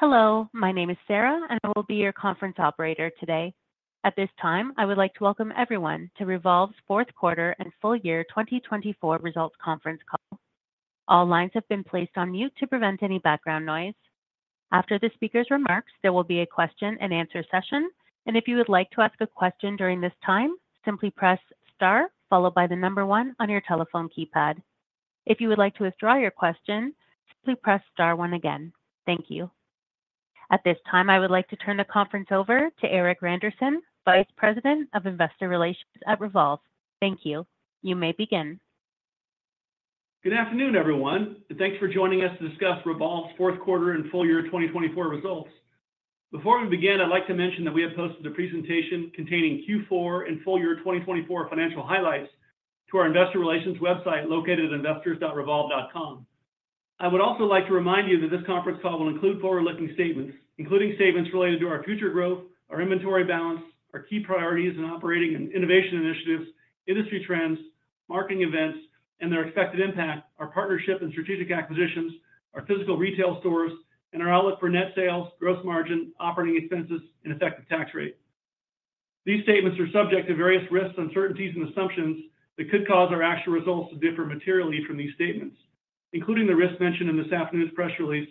Hello, my name is Sarah, and I will be your conference operator today. At this time, I would like to welcome everyone to Revolve's Q4 and Full Year 2024 Results Conference Call. All lines have been placed on mute to prevent any background noise. After the speaker's remarks, there will be a Q&A session, and if you would like to ask a question during this time, simply press star followed by the number one on your telephone keypad. If you would like to withdraw your question, simply press star one again. Thank you. At this time, I would like to turn the conference over to Erik Randerson, Vice President of Investor Relations at Revolve. Thank you. You may begin. Good afternoon, everyone, and thanks for joining us to discuss Revolve's Q4 and Full Year 2024 Results. Before we begin, I'd like to mention that we have posted a presentation containing Q4 and Full Year 2024 Financial Highlights to our Investor Relations website located at investors.revolve.com. I would also like to remind you that this conference call will include forward-looking statements, including statements related to our future growth, our inventory balance, our key priorities in operating and innovation initiatives, industry trends, marketing events, and their expected impact, our partnership and strategic acquisitions, our physical retail stores, and our outlook for net sales, gross margin, operating expenses, and effective tax rate. These statements are subject to various risks, uncertainties, and assumptions that could cause our actual results to differ materially from these statements, including the risks mentioned in this afternoon's press release,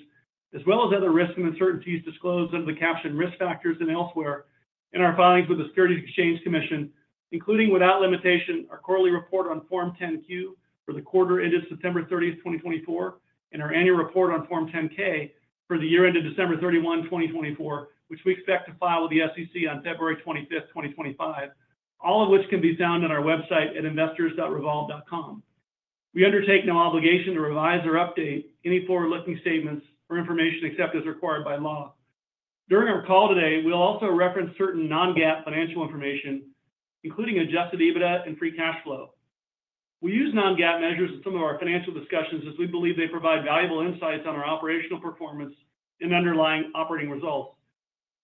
as well as other risks and uncertainties disclosed under the captioned risk factors and elsewhere, and our filings with the Securities and Exchange Commission, including without limitation our quarterly report on Form 10-Q for the quarter ended September 30, 2024, and our annual report on Form 10-K for the year ended December 31, 2024, which we expect to file with the SEC on February 25, 2025, all of which can be found on our website at investors.Revolve.com. We undertake no obligation to revise or update any forward-looking statements or information except as required by law. During our call today, we'll also reference certain non-GAAP financial information, including Adjusted EBITDA and Free Cash Flow. We use non-GAAP measures in some of our financial discussions as we believe they provide valuable insights on our operational performance and underlying operating results.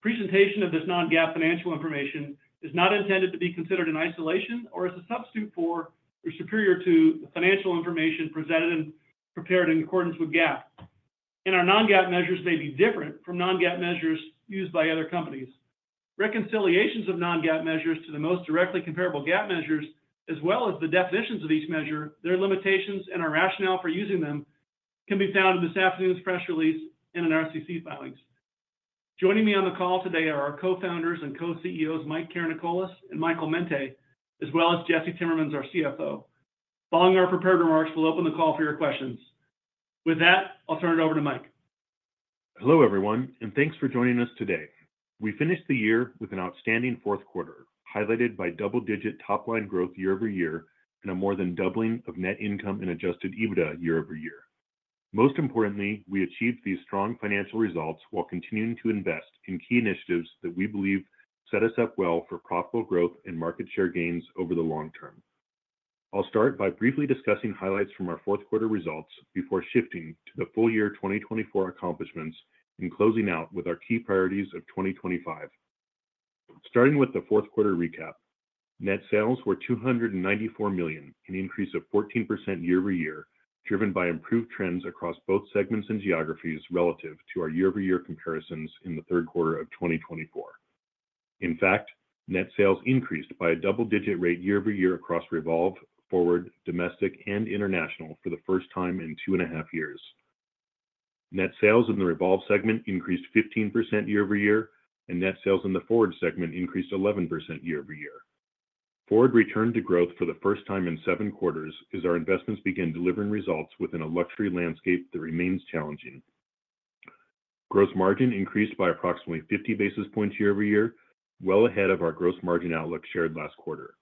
Presentation of this non-GAAP financial information is not intended to be considered in isolation or as a substitute for or superior to the financial information presented and prepared in accordance with GAAP. And our non-GAAP measures may be different from non-GAAP measures used by other companies. Reconciliations of non-GAAP measures to the most directly comparable GAAP measures, as well as the definitions of each measure, their limitations, and our rationale for using them can be found in this afternoon's press release and in our SEC filings. Joining me on the call today are our co-founders and co-CEOs, Mike Karanikolas and Michael Mente, as well as Jesse Timmermans, our CFO. Following our prepared remarks, we'll open the call for your questions. With that, I'll turn it over to Mike. Hello everyone, and thanks for joining us today. We finished the year with an outstanding Q4, highlighted by double-digit top-line growth year-over-year and a more than doubling of net income and Adjusted EBITDA year-over-year. Most importantly, we achieved these strong financial results while continuing to invest in key initiatives that we believe set us up well for profitable growth and market share gains over the long term. I'll start by briefly discussing highlights from our Q4 results before shifting to the full year 2024 accomplishments and closing out with our key priorities of 2025. Starting with the Q4 recap, net sales were $294 million, an increase of 14% year-over-year, driven by improved trends across both segments and geographies relative to our year-over-year comparisons in the Q3 of 2024. In fact, net sales increased by a double-digit rate year-over-year across Revolve, FWRD, domestic, and international for the first time in two and a half years. Net sales in the Revolve segment increased 15% year-over-year, and net sales in the FWRD segment increased 11% year-over-year. FWRD returned to growth for the first time in seven quarters as our investments began delivering results within a luxury landscape that remains challenging. Gross margin increased by approximately 50 basis points year-over-year, well ahead of our gross margin outlook shared last quarter.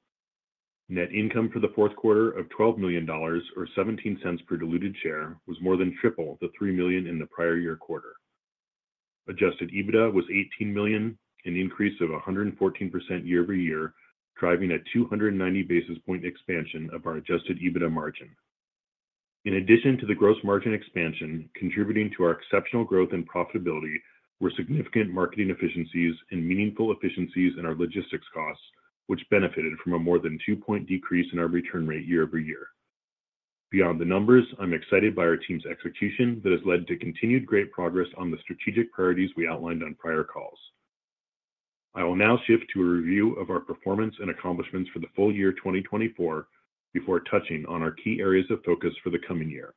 Net income for the Q4 of $12 million or $0.17 per diluted share was more than triple the $3 million in the prior year quarter. Adjusted EBITDA was $18 million, an increase of 114% year-over-year, driving a 290 basis point expansion of our adjusted EBITDA margin. In addition to the gross margin expansion contributing to our exceptional growth and profitability were significant marketing efficiencies and meaningful efficiencies in our logistics costs, which benefited from a more than two-point decrease in our return rate year-over-year. Beyond the numbers, I'm excited by our team's execution that has led to continued great progress on the strategic priorities we outlined on prior calls. I will now shift to a review of our performance and accomplishments for the full year 2024 before touching on our key areas of focus for the coming year.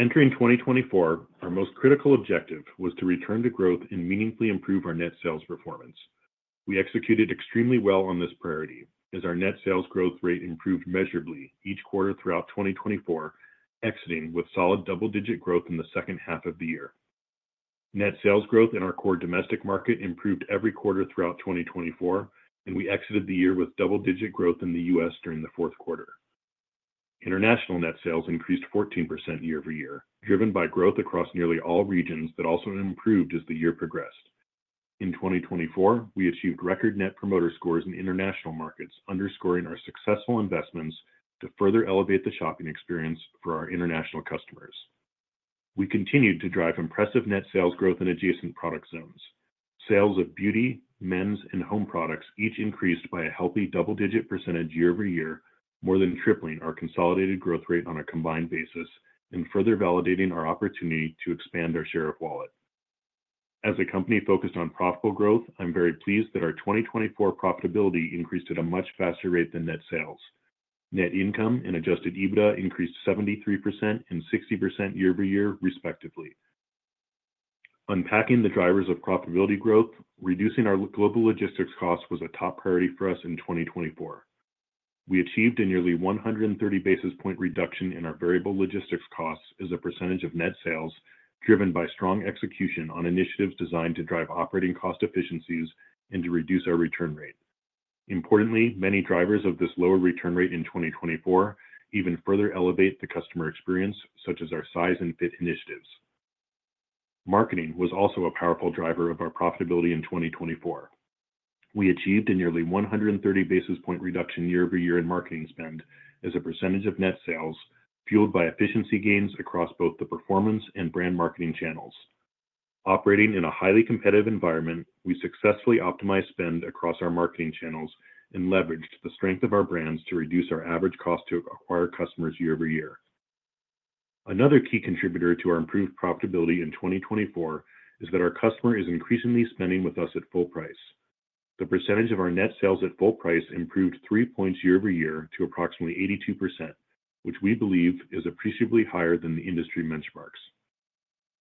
Entering 2024, our most critical objective was to return to growth and meaningfully improve our net sales performance. We executed extremely well on this priority as our net sales growth rate improved measurably each quarter throughout 2024, exiting with solid double-digit growth in the second half of the year. Net sales growth in our core domestic market improved every quarter throughout 2024, and we exited the year with double-digit growth in the U.S. during the Q4. International net sales increased 14% year-over-year, driven by growth across nearly all regions that also improved as the year progressed. In 2024, we achieved record Net Promoter Scores in international markets, underscoring our successful investments to further elevate the shopping experience for our international customers. We continued to drive impressive net sales growth in adjacent product zones. Sales of beauty, men's, and home products each increased by a healthy double-digit percentage year-over-year, more than tripling our consolidated growth rate on a combined basis and further validating our opportunity to expand our share of wallet. As a company focused on profitable growth, I'm very pleased that our 2024 profitability increased at a much faster rate than net sales. Net income and adjusted EBITDA increased 73% and 60% year-over-year, respectively. Unpacking the drivers of profitability growth, reducing our global logistics costs was a top priority for us in 2024. We achieved a nearly 130 basis points reduction in our variable logistics costs as a percentage of net sales driven by strong execution on initiatives designed to drive operating cost efficiencies and to reduce our return rate. Importantly, many drivers of this lower return rate in 2024 even further elevate the customer experience, such as our size and fit initiatives. Marketing was also a powerful driver of our profitability in 2024. We achieved a nearly 130 basis points reduction year-over-year in marketing spend as a percentage of net sales fueled by efficiency gains across both the performance and brand marketing channels. Operating in a highly competitive environment, we successfully optimized spend across our marketing channels and leveraged the strength of our brands to reduce our average cost to acquire customers year-over-year. Another key contributor to our improved profitability in 2024 is that our customer is increasingly spending with us at full price. The percentage of our net sales at full price improved three points year-over-year to approximately 82%, which we believe is appreciably higher than the industry benchmarks.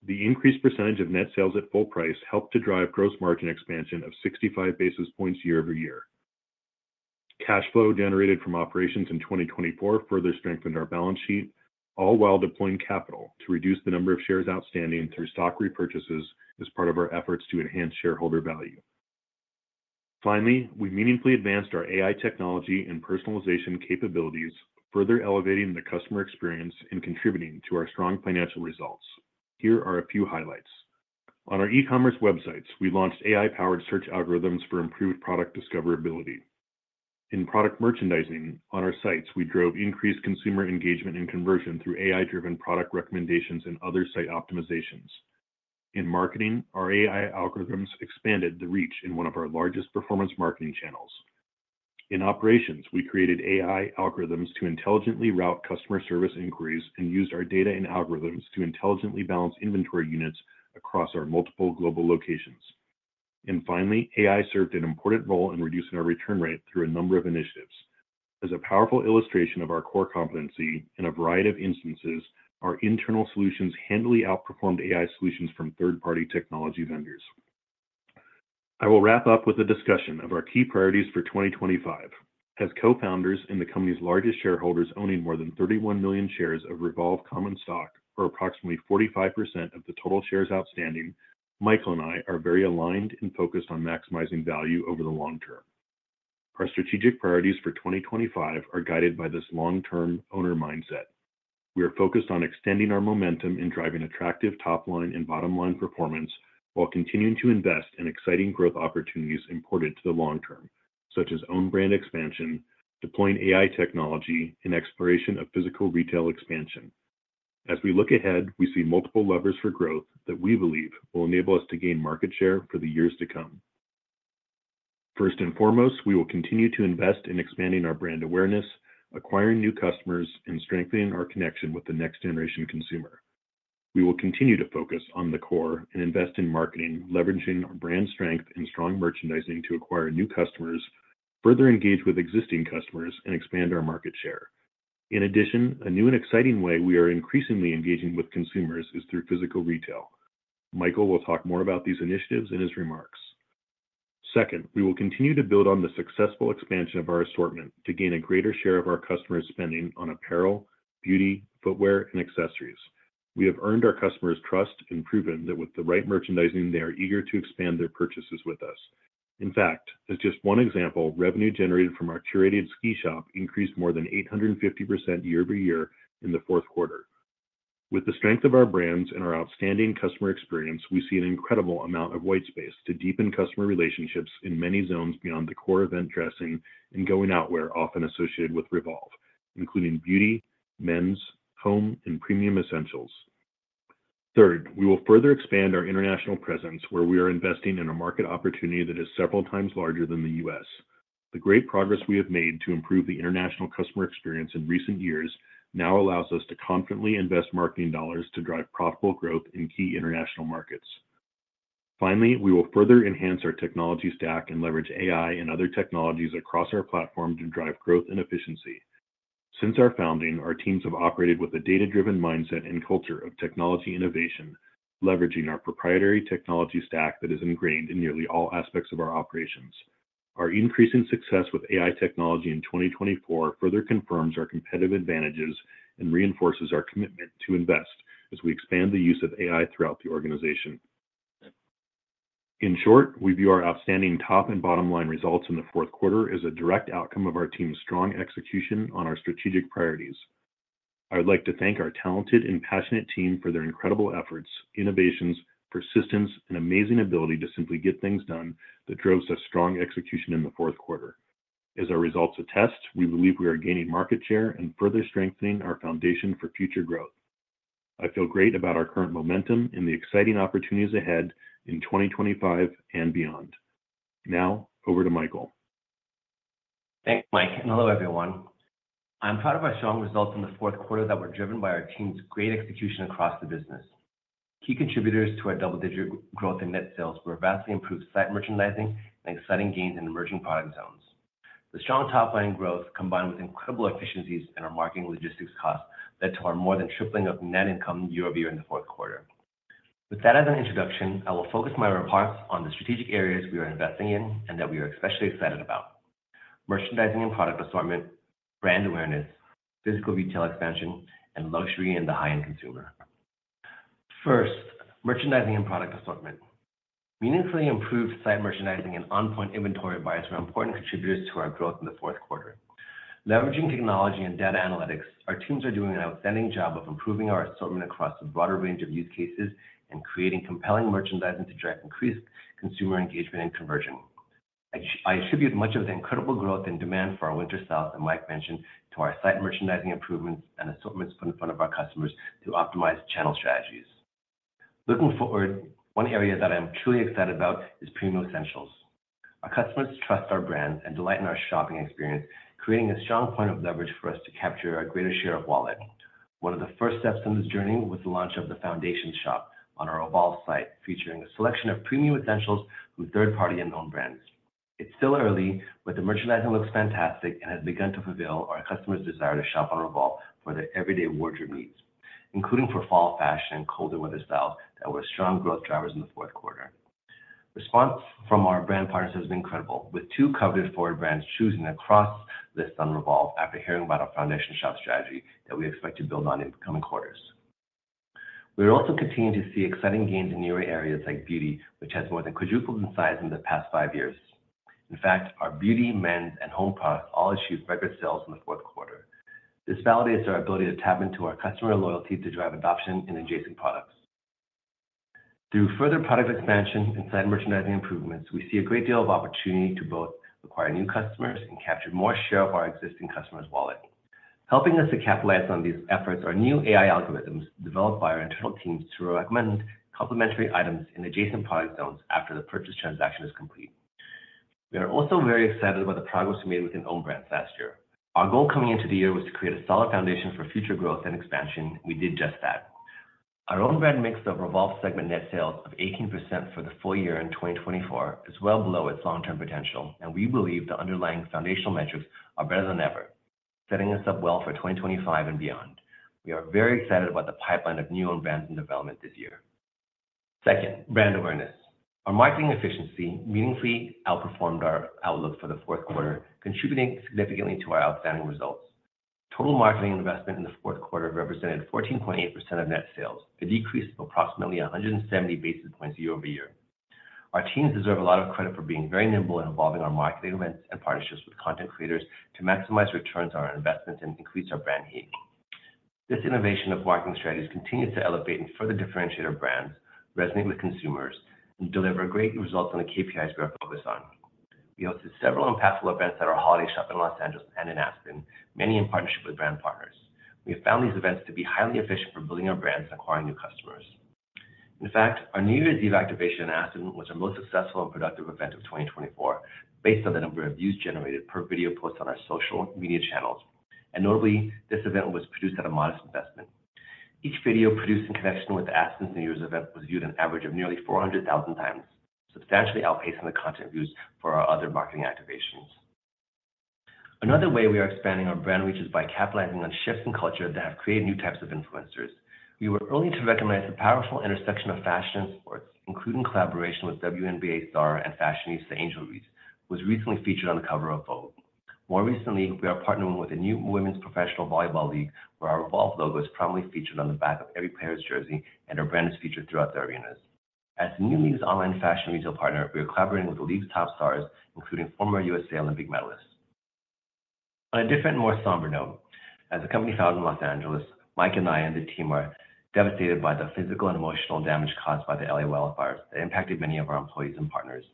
The increased percentage of net sales at full price helped to drive gross margin expansion of 65 basis points year-over-year. Cash flow generated from operations in 2024 further strengthened our balance sheet, all while deploying capital to reduce the number of shares outstanding through stock repurchases as part of our efforts to enhance shareholder value. Finally, we meaningfully advanced our AI technology and personalization capabilities, further elevating the customer experience and contributing to our strong financial results. Here are a few highlights. On our e-commerce websites, we launched AI-powered search algorithms for improved product discoverability. In product merchandising, on our sites, we drove increased consumer engagement and conversion through AI-driven product recommendations and other site optimizations. In marketing, our AI algorithms expanded the reach in one of our largest performance marketing channels. In operations, we created AI algorithms to intelligently route customer service inquiries and used our data and algorithms to intelligently balance inventory units across our multiple global locations. And finally, AI served an important role in reducing our return rate through a number of initiatives. As a powerful illustration of our core competency in a variety of instances, our internal solutions handily outperformed AI solutions from third-party technology vendors. I will wrap up with a discussion of our key priorities for 2025. As co-founders and the company's largest shareholders owning more than 31 million shares of Revolve common stock, or approximately 45% of the total shares outstanding, Michael and I are very aligned and focused on maximizing value over the long term. Our strategic priorities for 2025 are guided by this long-term owner mindset. We are focused on extending our momentum and driving attractive top-line and bottom-line performance while continuing to invest in exciting growth opportunities important to the long term, such as own brand expansion, deploying AI technology, and exploration of physical retail expansion. As we look ahead, we see multiple levers for growth that we believe will enable us to gain market share for the years to come. First and foremost, we will continue to invest in expanding our brand awareness, acquiring new customers, and strengthening our connection with the next-generation consumer. We will continue to focus on the core and invest in marketing, leveraging our brand strength and strong merchandising to acquire new customers, further engage with existing customers, and expand our market share. In addition, a new and exciting way we are increasingly engaging with consumers is through physical retail. Michael will talk more about these initiatives in his remarks. Second, we will continue to build on the successful expansion of our assortment to gain a greater share of our customers' spending on apparel, beauty, footwear, and accessories. We have earned our customers' trust and proven that with the right merchandising, they are eager to expand their purchases with us. In fact, as just one example, revenue generated from our curated ski shop increased more than 850% year-over-year in the Q4. With the strength of our brands and our outstanding customer experience, we see an incredible amount of white space to deepen customer relationships in many zones beyond the core event dressing and going outwear often associated with Revolve, including beauty, men's, home, and premium essentials. Third, we will further expand our international presence where we are investing in a market opportunity that is several times larger than the U.S. The great progress we have made to improve the international customer experience in recent years now allows us to confidently invest marketing dollars to drive profitable growth in key international markets. Finally, we will further enhance our technology stack and leverage AI and other technologies across our platform to drive growth and efficiency. Since our founding, our teams have operated with a data-driven mindset and culture of technology innovation, leveraging our proprietary technology stack that is ingrained in nearly all aspects of our operations. Our increasing success with AI technology in 2024 further confirms our competitive advantages and reinforces our commitment to invest as we expand the use of AI throughout the organization. In short, we view our outstanding top and bottom-line results in the Q4 as a direct outcome of our team's strong execution on our strategic priorities. I would like to thank our talented and passionate team for their incredible efforts, innovations, persistence, and amazing ability to simply get things done that drove such strong execution in the Q4. As our results attest, we believe we are gaining market share and further strengthening our foundation for future growth. I feel great about our current momentum and the exciting opportunities ahead in 2025 and beyond. Now, over to Michael. Thanks, Mike, and hello, everyone. I'm proud of our strong results in the Q4 that were driven by our team's great execution across the business. Key contributors to our double-digit growth in net sales were vastly improved site merchandising and exciting gains in emerging product zones. The strong top-line growth combined with incredible efficiencies in our marketing logistics costs led to our more than tripling of net income year-over-year in the Q4. With that as an introduction, I will focus my reports on the strategic areas we are investing in and that we are especially excited about: merchandising and product assortment, brand awareness, physical retail expansion, and luxury in the high-end consumer. First, merchandising and product assortment. Meaningfully improved site merchandising and on-point inventory buyers were important contributors to our growth in the Q4. Leveraging technology and data analytics, our teams are doing an outstanding job of improving our assortment across a broader range of use cases and creating compelling merchandising to drive increased consumer engagement and conversion. I attribute much of the incredible growth in demand for our winter sales that Mike mentioned to our site merchandising improvements and assortments put in front of our customers to optimize channel strategies. Looking forward, one area that I'm truly excited about is premium essentials. Our customers trust our brand and delight in our shopping experience, creating a strong point of leverage for us to capture a greater share of wallet. One of the first steps in this journey was the launch of the Foundations Shop on our Revolve site, featuring a selection of premium essentials from third-party and own brands. It's still early, but the merchandising looks fantastic and has begun to fulfill our customers' desire to shop on Revolve for their everyday wardrobe needs, including for fall fashion and colder weather styles that were strong growth drivers in the Q4. Response from our brand partners has been incredible, with two coveted FWRD brands choosing to cross-list on Revolve after hearing about our Foundations Shop strategy that we expect to build on in the coming quarters. We are also continuing to see exciting gains in newer areas like beauty, which has more than quadrupled in size in the past five years. In fact, our beauty, men's, and home products all achieved record sales in the Q4. This validates our ability to tap into our customer loyalty to drive adoption in adjacent products. Through further product expansion and site merchandising improvements, we see a great deal of opportunity to both acquire new customers and capture more share of our existing customers' wallet. Helping us to capitalize on these efforts are new AI algorithms developed by our internal teams to recommend complementary items in adjacent product zones after the purchase transaction is complete. We are also very excited about the progress we made within own brands last year. Our goal coming into the year was to create a solid foundation for future growth and expansion. We did just that. Our own brand makes the Revolve segment net sales of 18% for the full year in 2024, still well below its long-term potential, and we believe the underlying foundational metrics are better than ever, setting us up well for 2025 and beyond. We are very excited about the pipeline of new own brands in development this year. Second, brand awareness. Our marketing efficiency meaningfully outperformed our outlook for the Q4, contributing significantly to our outstanding results. Total marketing investment in the Q4 represented 14.8% of net sales, a decrease of approximately 170 basis points year-over-year. Our teams deserve a lot of credit for being very nimble in evolving our marketing events and partnerships with content creators to maximize returns on our investments and increase our brand heat. This innovation of marketing strategies continues to elevate and further differentiate our brands, resonate with consumers, and deliver great results on the KPIs we are focused on. We hosted several impactful events at our holiday shop in Los Angeles and in Aspen, many in partnership with brand partners. We have found these events to be highly efficient for building our brands and acquiring new customers. In fact, our New Year's Eve activation in Aspen was our most successful and productive event of 2024, based on the number of views generated per video post on our social media channels, and notably, this event was produced at a modest investment. Each video produced in connection with Aspen's New Year's event was viewed an average of nearly 400,000 times, substantially outpacing the content views for our other marketing activations. Another way we are expanding our brand reach is by capitalizing on shifts in culture that have created new types of influencers. We were early to recognize the powerful intersection of fashion and sports, including collaboration with WNBA star and fashionista Angel Reese, who was recently featured on the cover of Vogue. More recently, we are partnering with a new women's professional volleyball league, where our Revolve logo is prominently featured on the back of every player's jersey and our brand is featured throughout the arenas. As the new league's online fashion retail partner, we are collaborating with the league's top stars, including former U.S. Olympic medalists. On a different, more somber note, as a company founded in Los Angeles, Mike and I and the team are devastated by the physical and emotional damage caused by the LA wildfires that impacted many of our employees and partners.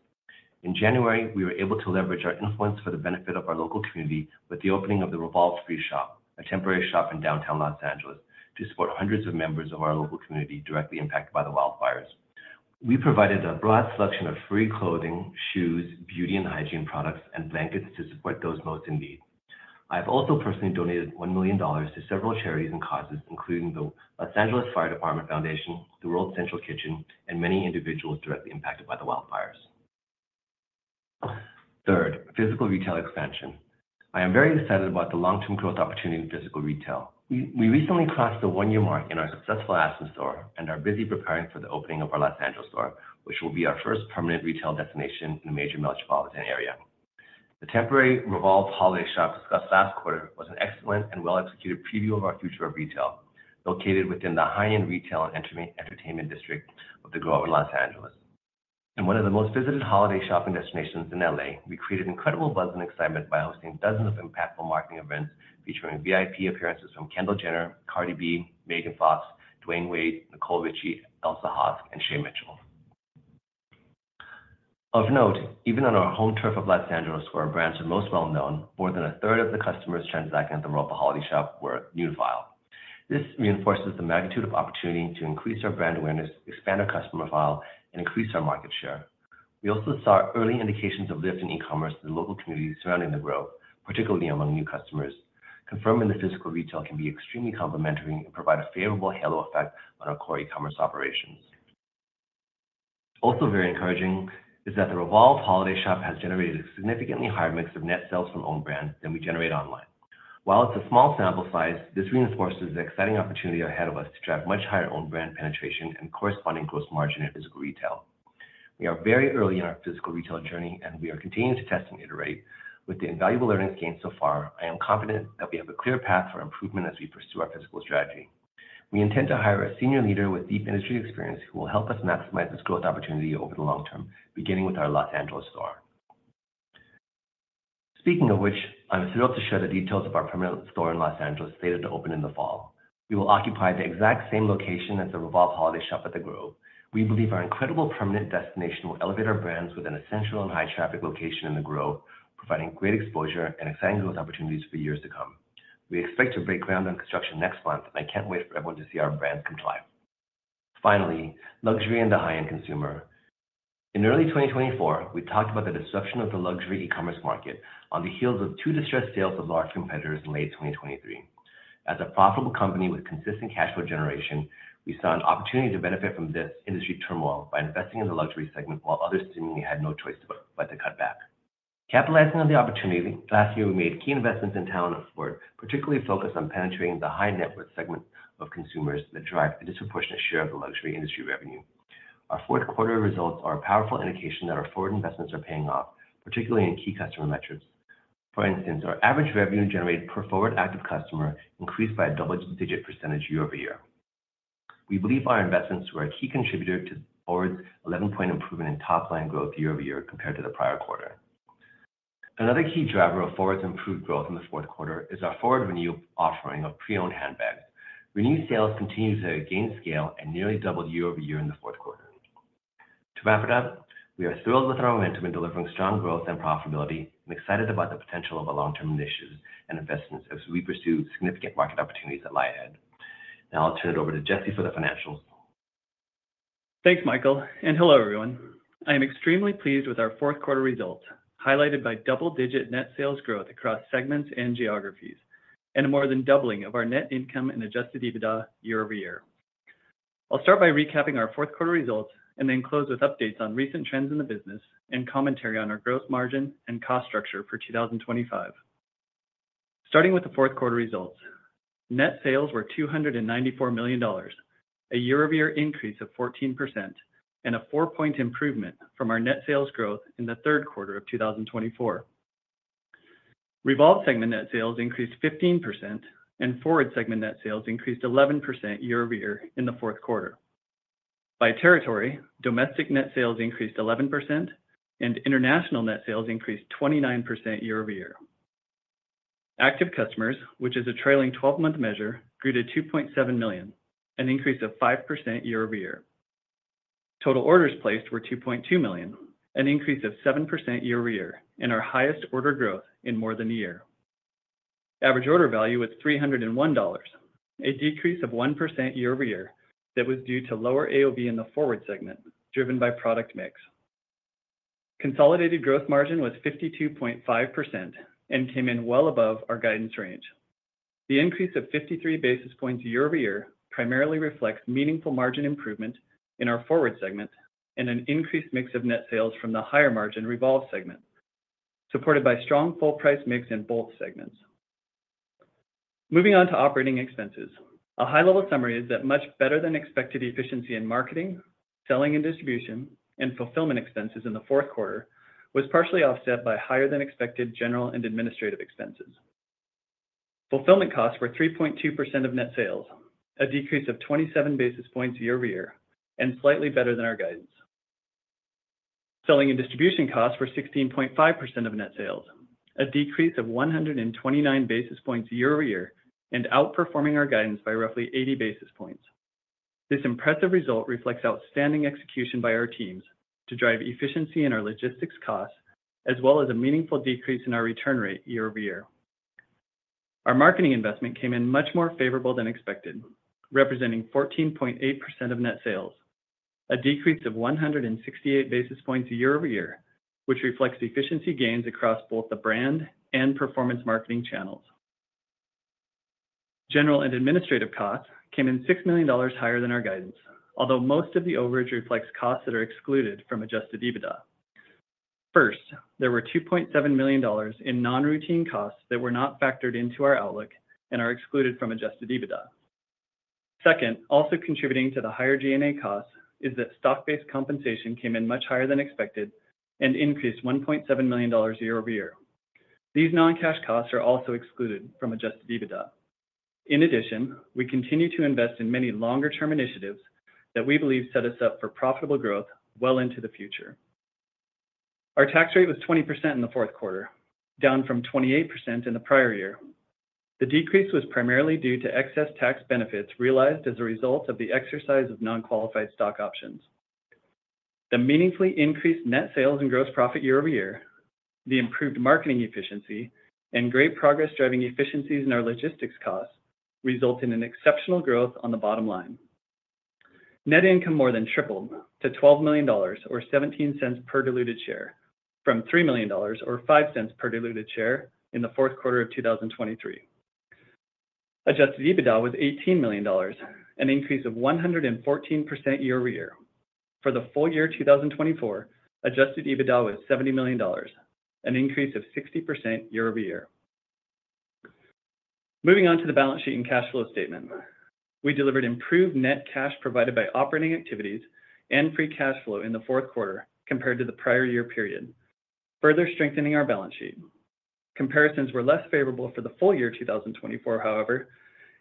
In January, we were able to leverage our influence for the benefit of our local community with the opening of the Revolve Free Shop, a temporary shop in downtown Los Angeles, to support hundreds of members of our local community directly impacted by the wildfires. We provided a broad selection of free clothing, shoes, beauty and hygiene products, and blankets to support those most in need. I have also personally donated $1 million to several charities and causes, including the Los Angeles Fire Department Foundation, the World Central Kitchen, and many individuals directly impacted by the wildfires. Third, physical retail expansion. I am very excited about the long-term growth opportunity in physical retail. We recently crossed the one-year mark in our successful Aspen store and are busy preparing for the opening of our Los Angeles store, which will be our first permanent retail destination in a major metropolitan area. The temporary Revolve Holiday Shop discussed last quarter was an excellent and well-executed preview of our future of retail, located within the high-end retail and entertainment district of The Grove, Los Angeles. In one of the most visited holiday shopping destinations in LA, we created incredible buzz and excitement by hosting dozens of impactful marketing events featuring VIP appearances from Kendall Jenner, Cardi B, Megan Fox, Dwyane Wade, Nicole Richie, Elsa Hosk, and Shay Mitchell. Of note, even on our home turf of Los Angeles, where our brands are most well-known, more than a third of the customers transacting at the Revolve Holiday Shop were new to file. This reinforces the magnitude of opportunity to increase our brand awareness, expand our customer file, and increase our market share. We also saw early indications of lift in e-commerce in the local community surrounding the growth, particularly among new customers, confirming that physical retail can be extremely complementary and provide a favorable halo effect on our core e-commerce operations. Also very encouraging is that the Revolve Holiday Shop has generated a significantly higher mix of net sales from own brands than we generate online. While it's a small sample size, this reinforces the exciting opportunity ahead of us to drive much higher own brand penetration and corresponding gross margin in physical retail. We are very early in our physical retail journey, and we are continuing to test and iterate. With the invaluable learnings gained so far, I am confident that we have a clear path for improvement as we pursue our physical strategy. We intend to hire a senior leader with deep industry experience who will help us maximize this growth opportunity over the long term, beginning with our Los Angeles store. Speaking of which, I'm thrilled to share the details of our permanent store in Los Angeles slated to open in the fall. We will occupy the exact same location as the Revolve Holiday Shop at The Grove. We believe our incredible permanent destination will elevate our brands with an essential and high-traffic location in The Grove, providing great exposure and exciting growth opportunities for years to come. We expect to break ground on construction next month, and I can't wait for everyone to see our brands come to life. Finally, luxury in the high-end consumer. In early 2024, we talked about the disruption of the luxury e-commerce market on the heels of two distressed sales of large competitors in late 2023. As a profitable company with consistent cash flow generation, we saw an opportunity to benefit from this industry turmoil by investing in the luxury segment while others seemingly had no choice but to cut back. Capitalizing on the opportunity, last year we made key investments in talent and sport, particularly focused on penetrating the high-net-worth segment of consumers that drive a disproportionate share of the luxury industry revenue. Our Q4 results are a powerful indication that our FWRD investments are paying off, particularly in key customer metrics. For instance, our average revenue generated per FWRD active customer increased by a double-digit percentage year-over-year. We believe our investments were a key contributor to FWRD's 11-point improvement in top-line growth year-over-year compared to the prior quarter. Another key driver of FWRD's improved growth in the Q4 is our FWRD Renew offering of pre-owned handbags. Renewed sales continue to gain scale and nearly doubled year-over-year in the Q4. To wrap it up, we are thrilled with our momentum in delivering strong growth and profitability and excited about the potential of our long-term initiatives and investments as we pursue significant market opportunities ahead. Now I'll turn it over to Jesse for the financials. Thanks, Michael. Hello, everyone. I am extremely pleased with our Q4 results, highlighted by double-digit net sales growth across segments and geographies, and a more than doubling of our net income and Adjusted EBITDA year-over-year. I'll start by recapping our Q4 results and then close with updates on recent trends in the business and commentary on our gross margin and cost structure for 2025. Starting with the Q4 results, net sales were $294 million, a year-over-year increase of 14%, and a four-point improvement from our net sales growth in the Q3 of 2024. Revolve segment net sales increased 15%, and FWRD segment net sales increased 11% year-over-year in the Q4. By territory, domestic net sales increased 11%, and international net sales increased 29% year-over-year. Active customers, which is a trailing 12-month measure, grew to 2.7 million, an increase of 5% year-over-year. Total orders placed were 2.2 million, an increase of 7% year-over-year, and our highest order growth in more than a year. Average order value was $301, a decrease of 1% year-over-year that was due to lower AOV in the FWRD segment, driven by product mix. Consolidated gross margin was 52.5% and came in well above our guidance range. The increase of 53 basis points year-over-year primarily reflects meaningful margin improvement in our FWRD segment and an increased mix of net sales from the higher-margin Revolve segment, supported by strong full-price mix in both segments. Moving on to operating expenses, a high-level summary is that much better-than-expected efficiency in marketing, selling, and distribution, and fulfillment expenses in the Q4 was partially offset by higher-than-expected general and administrative expenses. Fulfillment costs were 3.2% of net sales, a decrease of 27 basis points year-over-year, and slightly better than our guidance. Selling and distribution costs were 16.5% of net sales, a decrease of 129 basis points year-over-year, and outperforming our guidance by roughly 80 basis points. This impressive result reflects outstanding execution by our teams to drive efficiency in our logistics costs, as well as a meaningful decrease in our return rate year-over-year. Our marketing investment came in much more favorable than expected, representing 14.8% of net sales, a decrease of 168 basis points year-over-year, which reflects efficiency gains across both the brand and performance marketing channels. General and administrative costs came in $6 million higher than our guidance, although most of the overage reflects costs that are excluded from Adjusted EBITDA. First, there were $2.7 million in non-routine costs that were not factored into our outlook and are excluded from Adjusted EBITDA. Second, also contributing to the higher G&A costs is that stock-based compensation came in much higher than expected and increased $1.7 million year-over-year. These non-cash costs are also excluded from Adjusted EBITDA. In addition, we continue to invest in many longer-term initiatives that we believe set us up for profitable growth well into the future. Our tax rate was 20% in the Q4, down from 28% in the prior year. The decrease was primarily due to excess tax benefits realized as a result of the exercise of non-qualified stock options. The meaningfully increased net sales and gross profit year-over-year, the improved marketing efficiency, and great progress driving efficiencies in our logistics costs result in exceptional growth on the bottom line. Net income more than tripled to $12 million, or $0.17 per diluted share, from $3 million, or $0.05 per diluted share in the Q4 of 2023. Adjusted EBITDA was $18 million, an increase of 114% year-over-year. For the full year 2024, adjusted EBITDA was $70 million, an increase of 60% year-over-year. Moving on to the balance sheet and cash flow statement, we delivered improved net cash provided by operating activities and free cash flow in the Q4 compared to the prior year period, further strengthening our balance sheet. Comparisons were less favorable for the full year 2024, however,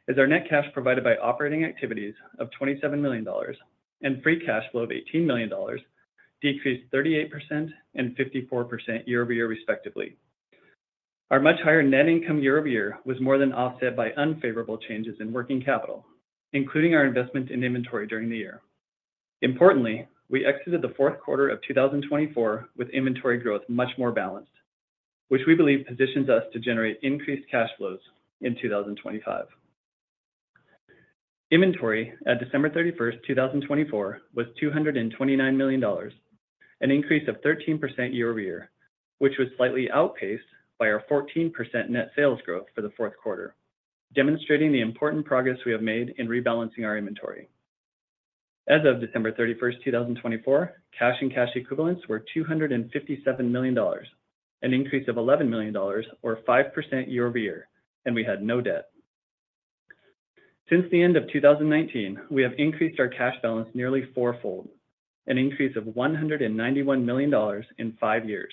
as our net cash provided by operating activities of $27 million and free cash flow of $18 million decreased 38% and 54% year-over-year, respectively. Our much higher net income year-over-year was more than offset by unfavorable changes in working capital, including our investment in inventory during the year. Importantly, we exited the Q4 of 2024 with inventory growth much more balanced, which we believe positions us to generate increased cash flows in 2025. Inventory at December 31st, 2024, was $229 million, an increase of 13% year-over-year, which was slightly outpaced by our 14% net sales growth for the Q4, demonstrating the important progress we have made in rebalancing our inventory. As of December 31st, 2024, cash and cash equivalents were $257 million, an increase of $11 million, or 5% year-over-year, and we had no debt. Since the end of 2019, we have increased our cash balance nearly four-fold, an increase of $191 million in five years,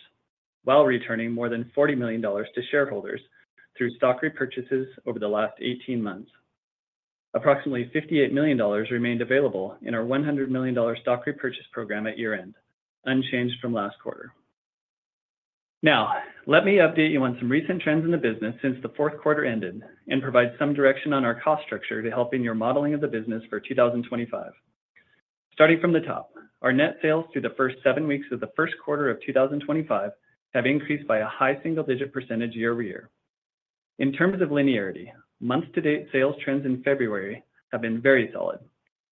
while returning more than $40 million to shareholders through stock repurchases over the last 18 months. Approximately $58 million remained available in our $100 million stock repurchase program at year-end, unchanged from last quarter. Now, let me update you on some recent trends in the business since the Q4 ended and provide some direction on our cost structure to help in your modeling of the business for 2025. Starting from the top, our net sales through the first seven weeks of the Q1 of 2025 have increased by a high single-digit % year-over-year. In terms of linearity, month-to-date sales trends in February have been very solid,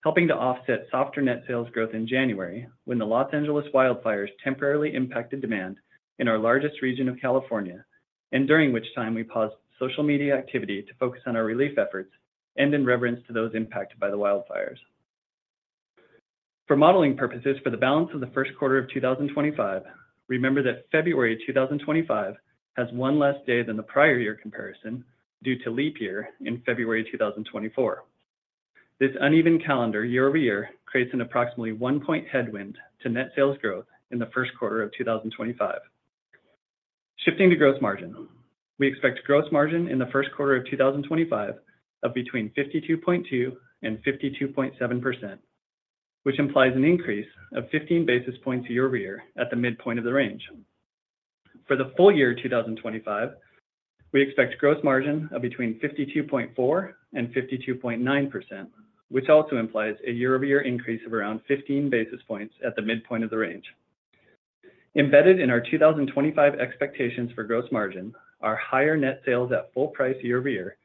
helping to offset softer net sales growth in January when the Los Angeles wildfires temporarily impacted demand in our largest region of California, and during which time we paused social media activity to focus on our relief efforts and in reverence to those impacted by the wildfires. For modeling purposes, for the balance of the Q1 of 2025, remember that February 2025 has one less day than the prior year comparison due to leap year in February 2024. This uneven calendar year-over-year creates an approximately one-point headwind to net sales growth in the Q1 of 2025. Shifting to gross margin, we expect gross margin in the Q1 of 2025 of between 52.2% and 52.7%, which implies an increase of 15 basis points year-over-year at the midpoint of the range. For the full year 2025, we expect gross margin of between 52.4% and 52.9%, which also implies a year-over-year increase of around 15 basis points at the midpoint of the range. Embedded in our 2025 expectations for gross margin are higher net sales at full price year-over-year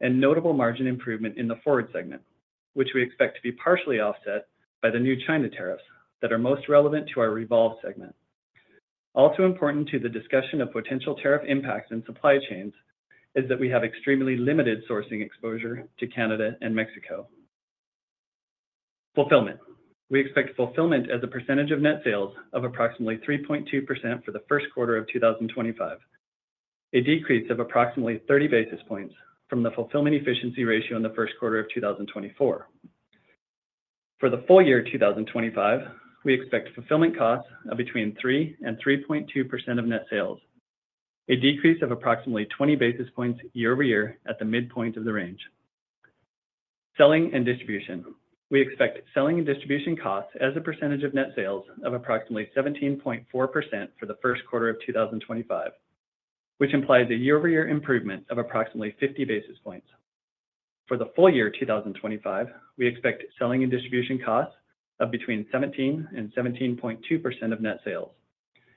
and notable margin improvement in the FWRD segment, which we expect to be partially offset by the new China tariffs that are most relevant to our Revolve segment. Also important to the discussion of potential tariff impacts in supply chains is that we have extremely limited sourcing exposure to Canada and Mexico. Fulfillment. We expect fulfillment as a percentage of net sales of approximately 3.2% for the Q1 of 2025, a decrease of approximately 30 basis points from the fulfillment efficiency ratio in the Q1 of 2024. For the full year 2025, we expect fulfillment costs of between 3% and 3.2% of net sales, a decrease of approximately 20 basis points year-over-year at the midpoint of the range. Selling and distribution. We expect selling and distribution costs as a percentage of net sales of approximately 17.4% for the Q1 of 2025, which implies a year-over-year improvement of approximately 50 basis points. For the full year 2025, we expect selling and distribution costs of between 17% and 17.2% of net sales,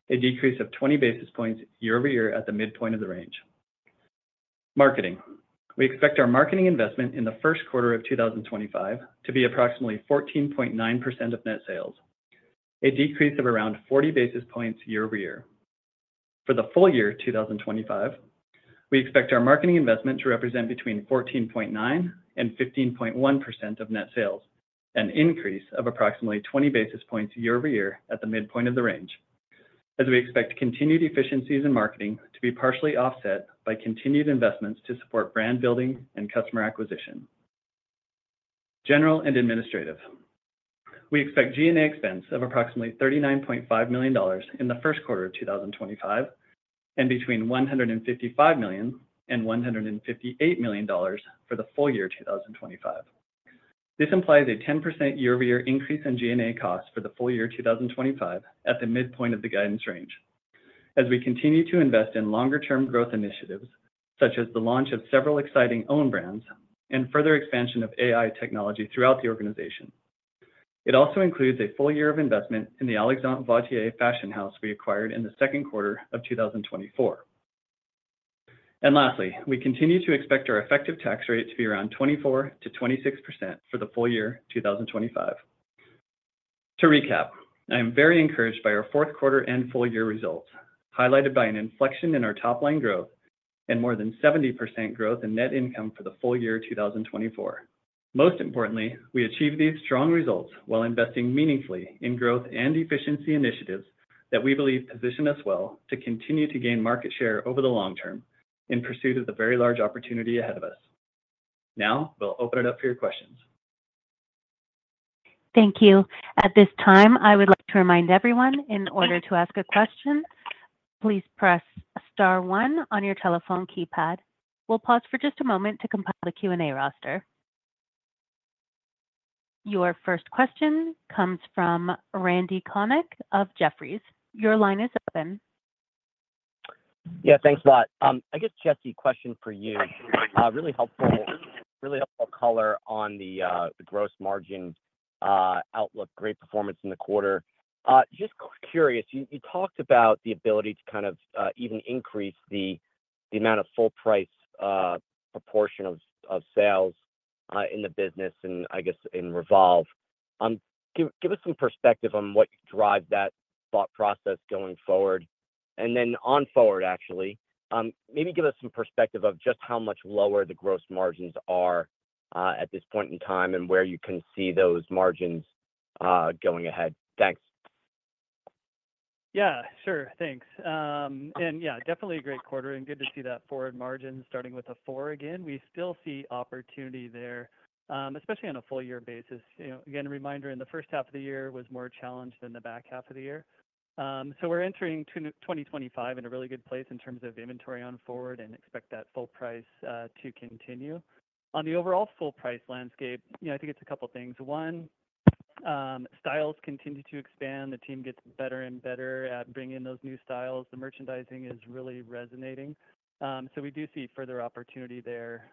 a decrease of 20 basis points year-over-year at the midpoint of the range. Marketing. We expect our marketing investment in the Q1 of 2025 to be approximately 14.9% of net sales, a decrease of around 40 basis points year-over-year. For the full year 2025, we expect our marketing investment to represent between 14.9% and 15.1% of net sales, an increase of approximately 20 basis points year-over-year at the midpoint of the range, as we expect continued efficiencies in marketing to be partially offset by continued investments to support brand building and customer acquisition. General and administrative. We expect G&A expense of approximately $39.5 million in the Q1 of 2025 and between $155 million and $158 million for the full year 2025. This implies a 10% year-over-year increase in G&A costs for the full year 2025 at the midpoint of the guidance range, as we continue to invest in longer-term growth initiatives such as the launch of several exciting own brands and further expansion of AI technology throughout the organization. It also includes a full year of investment in the Alexandre Vauthier fashion house we acquired in the Q2 of 2024. Lastly, we continue to expect our effective tax rate to be around 24% to 26% for the full year 2025. To recap, I am very encouraged by our Q4 and full year results, highlighted by an inflection in our top-line growth and more than 70% growth in net income for the full year 2024. Most importantly, we achieve these strong results while investing meaningfully in growth and efficiency initiatives that we believe position us well to continue to gain market share over the long term in pursuit of the very large opportunity ahead of us. Now, we'll open it up for your questions. Thank you. At this time, I would like to remind everyone, in order to ask a question, please press star one on your telephone keypad. We'll pause for just a moment to compile the Q&A roster. Your first question comes from Randy Konik of Jefferies. Your line is open. Yeah, thanks a lot. I guess, Jesse, question for you. Really helpful color on the gross margin outlook, great performance in the quarter. Just curious, you talked about the ability to kind of even increase the amount of full-price proportion of sales in the business and, I guess, in Revolve. Give us some perspective on what drives that thought process going forward. And then on FWRD, actually, maybe give us some perspective of just how much lower the gross margins are at this point in time and where you can see those margins going ahead. Thanks. Yeah, sure. Thanks. And yeah, definitely a great quarter and good to see that FWRD margin starting with a four again. We still see opportunity there, especially on a full-year basis. Again, a reminder, in the first half of the year was more challenged than the back half of the year. So we're entering 2025 in a really good place in terms of inventory on FWRD and expect that full price to continue. On the overall full-price landscape, I think it's a couple of things. One, styles continue to expand. The team gets better and better at bringing in those new styles. The merchandising is really resonating. So we do see further opportunity there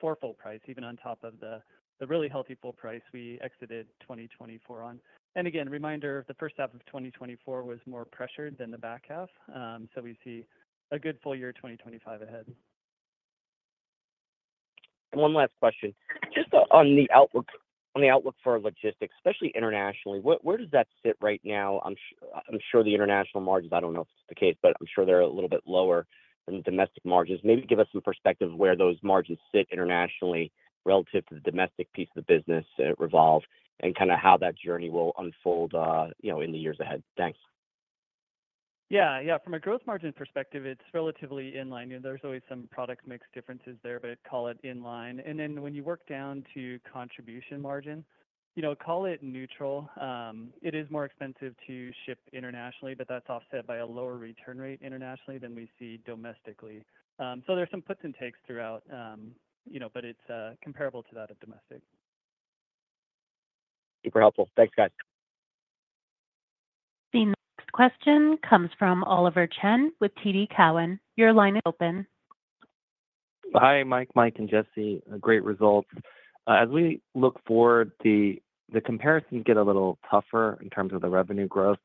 for full price, even on top of the really healthy full price we exited 2024 on. And again, reminder, the first half of 2024 was more pressured than the back half. So we see a good full year 2025 ahead. One last question. Just on the outlook for logistics, especially internationally, where does that sit right now? I'm sure the international margins, I don't know if it's the case, but I'm sure they're a little bit lower than the domestic margins. Maybe give us some perspective of where those margins sit internationally relative to the domestic piece of the business at Revolve and kind of how that journey will unfold in the years ahead. Thanks. Yeah, yeah. From a gross margin perspective, it's relatively in line. There's always some product mix differences there, but call it in line. And then when you work down to contribution margin, call it neutral. It is more expensive to ship internationally, but that's offset by a lower return rate internationally than we see domestically. So there's some puts and takes throughout, but it's comparable to that of domestic. Super helpful. Thanks, guys. The next question comes from Oliver Chen with TD Cowen. Your line is open. Hi, Mike, Mike, and Jesse. Great results. As we look forward, the comparisons get a little tougher in terms of the revenue growth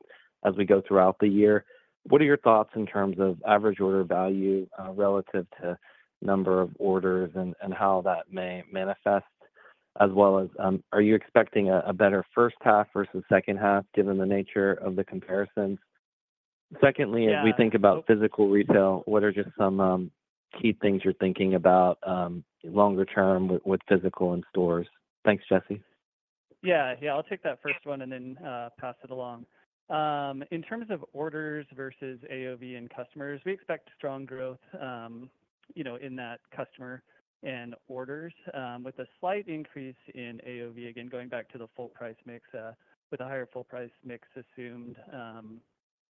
as we go throughout the year. What are your thoughts in terms of average order value relative to number of orders and how that may manifest, as well as are you expecting a better first half versus second half given the nature of the comparisons? Secondly, as we think about physical retail, what are just some key things you're thinking about longer term with physical and stores? Thanks, Jesse. Yeah, yeah. I'll take that first one and then pass it along. In terms of orders versus AOV and customers, we expect strong growth in that customer and orders with a slight increase in AOV. Again, going back to the full-price mix, with a higher full-price mix assumed,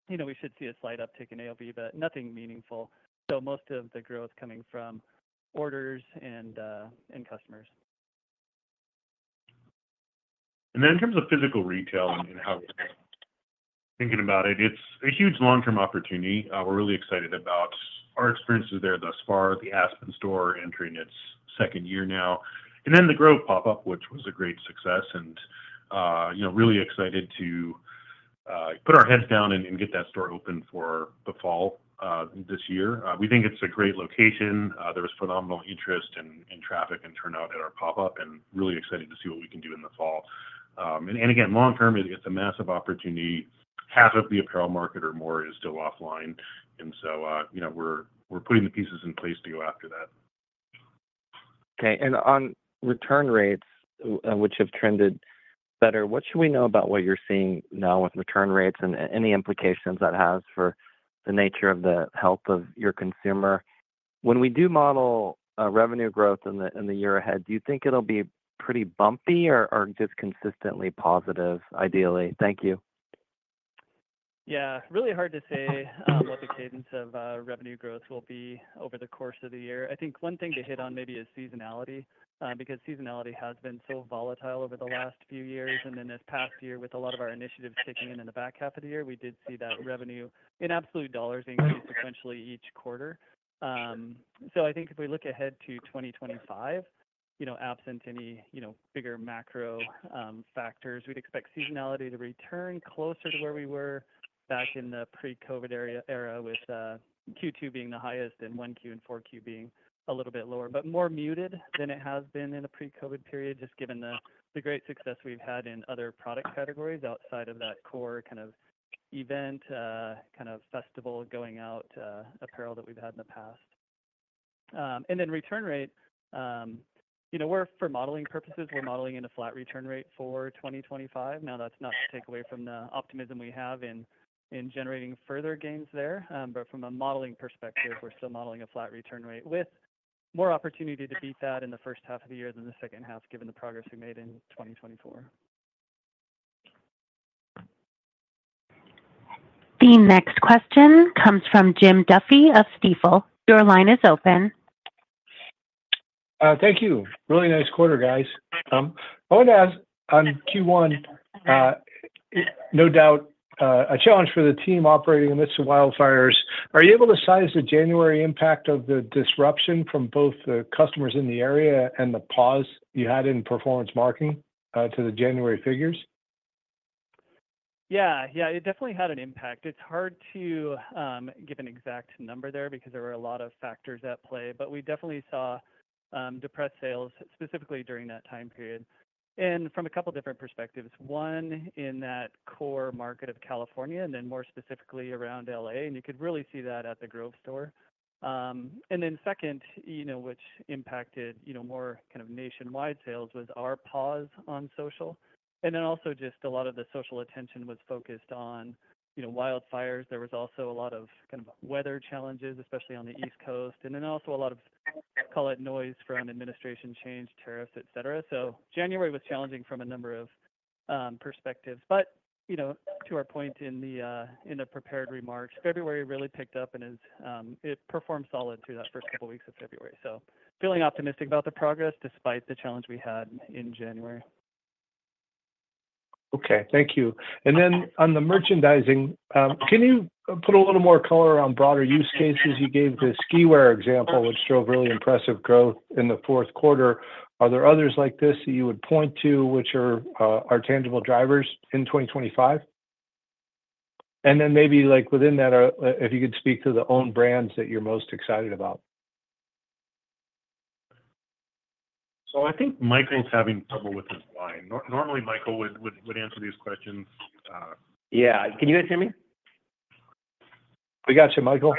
we should see a slight uptick in AOV, but nothing meaningful, so most of the growth coming from orders and customers, and then in terms of physical retail and how we're thinking about it, it's a huge long-term opportunity. We're really excited about our experiences there thus far, the Aspen store entering its second year now, and then The Grove pop-up, which was a great success, and really excited to put our heads down and get that store open for the fall this year. We think it's a great location. There was phenomenal interest and traffic and turnout at our pop-up, and really excited to see what we can do in the fall. And again, long term, it's a massive opportunity. Half of the apparel market or more is still offline. And so we're putting the pieces in place to go after that. Okay. And on return rates, which have trended better, what should we know about what you're seeing now with return rates and any implications that have for the nature of the health of your consumer? When we do model revenue growth in the year ahead, do you think it'll be pretty bumpy or just consistently positive, ideally? Thank you. Yeah. Really hard to say what the cadence of revenue growth will be over the course of the year. I think one thing to hit on maybe is seasonality because seasonality has been so volatile over the last few years. And then this past year, with a lot of our initiatives kicking in in the back half of the year, we did see that revenue in absolute dollars increase sequentially each quarter. So I think if we look ahead to 2025, absent any bigger macro factors, we'd expect seasonality to return closer to where we were back in the pre-COVID era with Q2 being the highest and Q1 and Q4 being a little bit lower, but more muted than it has been in the pre-COVID period, just given the great success we've had in other product categories outside of that core kind of event, kind of festival going out apparel that we've had in the past. And then return rate, for modeling purposes, we're modeling in a flat return rate for 2025. Now, that's not to take away from the optimism we have in generating further gains there, but from a modeling perspective, we're still modeling a flat return rate with more opportunity to beat that in the first half of the year than the second half, given the progress we made in 2024. The next question comes from Jim Duffy of Stifel. Your line is open. Thank you. Really nice quarter, guys. I wanted to ask on Q1, no doubt, a challenge for the team operating amidst the wildfires. Are you able to size the January impact of the disruption from both the customers in the area and the pause you had in performance marketing to the January figures? Yeah, yeah. It definitely had an impact. It's hard to give an exact number there because there were a lot of factors at play, but we definitely saw depressed sales, specifically during that time period, and from a couple of different perspectives. One in that core market of California and then more specifically around LA. And you could really see that at The Grove store. And then second, which impacted more kind of nationwide sales, was our pause on social. And then also just a lot of the social attention was focused on wildfires. There was also a lot of kind of weather challenges, especially on the East Coast, and then also a lot of, call it noise from administration change, tariffs, etc. So January was challenging from a number of perspectives. But to our point in the prepared remarks, February really picked up and it performed solid through that first couple of weeks of February. So, feeling optimistic about the progress despite the challenge we had in January. Okay. Thank you. And then on the merchandising, can you put a little more color on broader use cases? You gave the ski wear example, which drove really impressive growth in the Q4. Are there others like this that you would point to which are tangible drivers in 2025? And then maybe within that, if you could speak to the own brands that you're most excited about. I think Michael's having trouble with his line. Normally, Michael would answer these questions. Yeah. Can you guys hear me? We got you, Michael.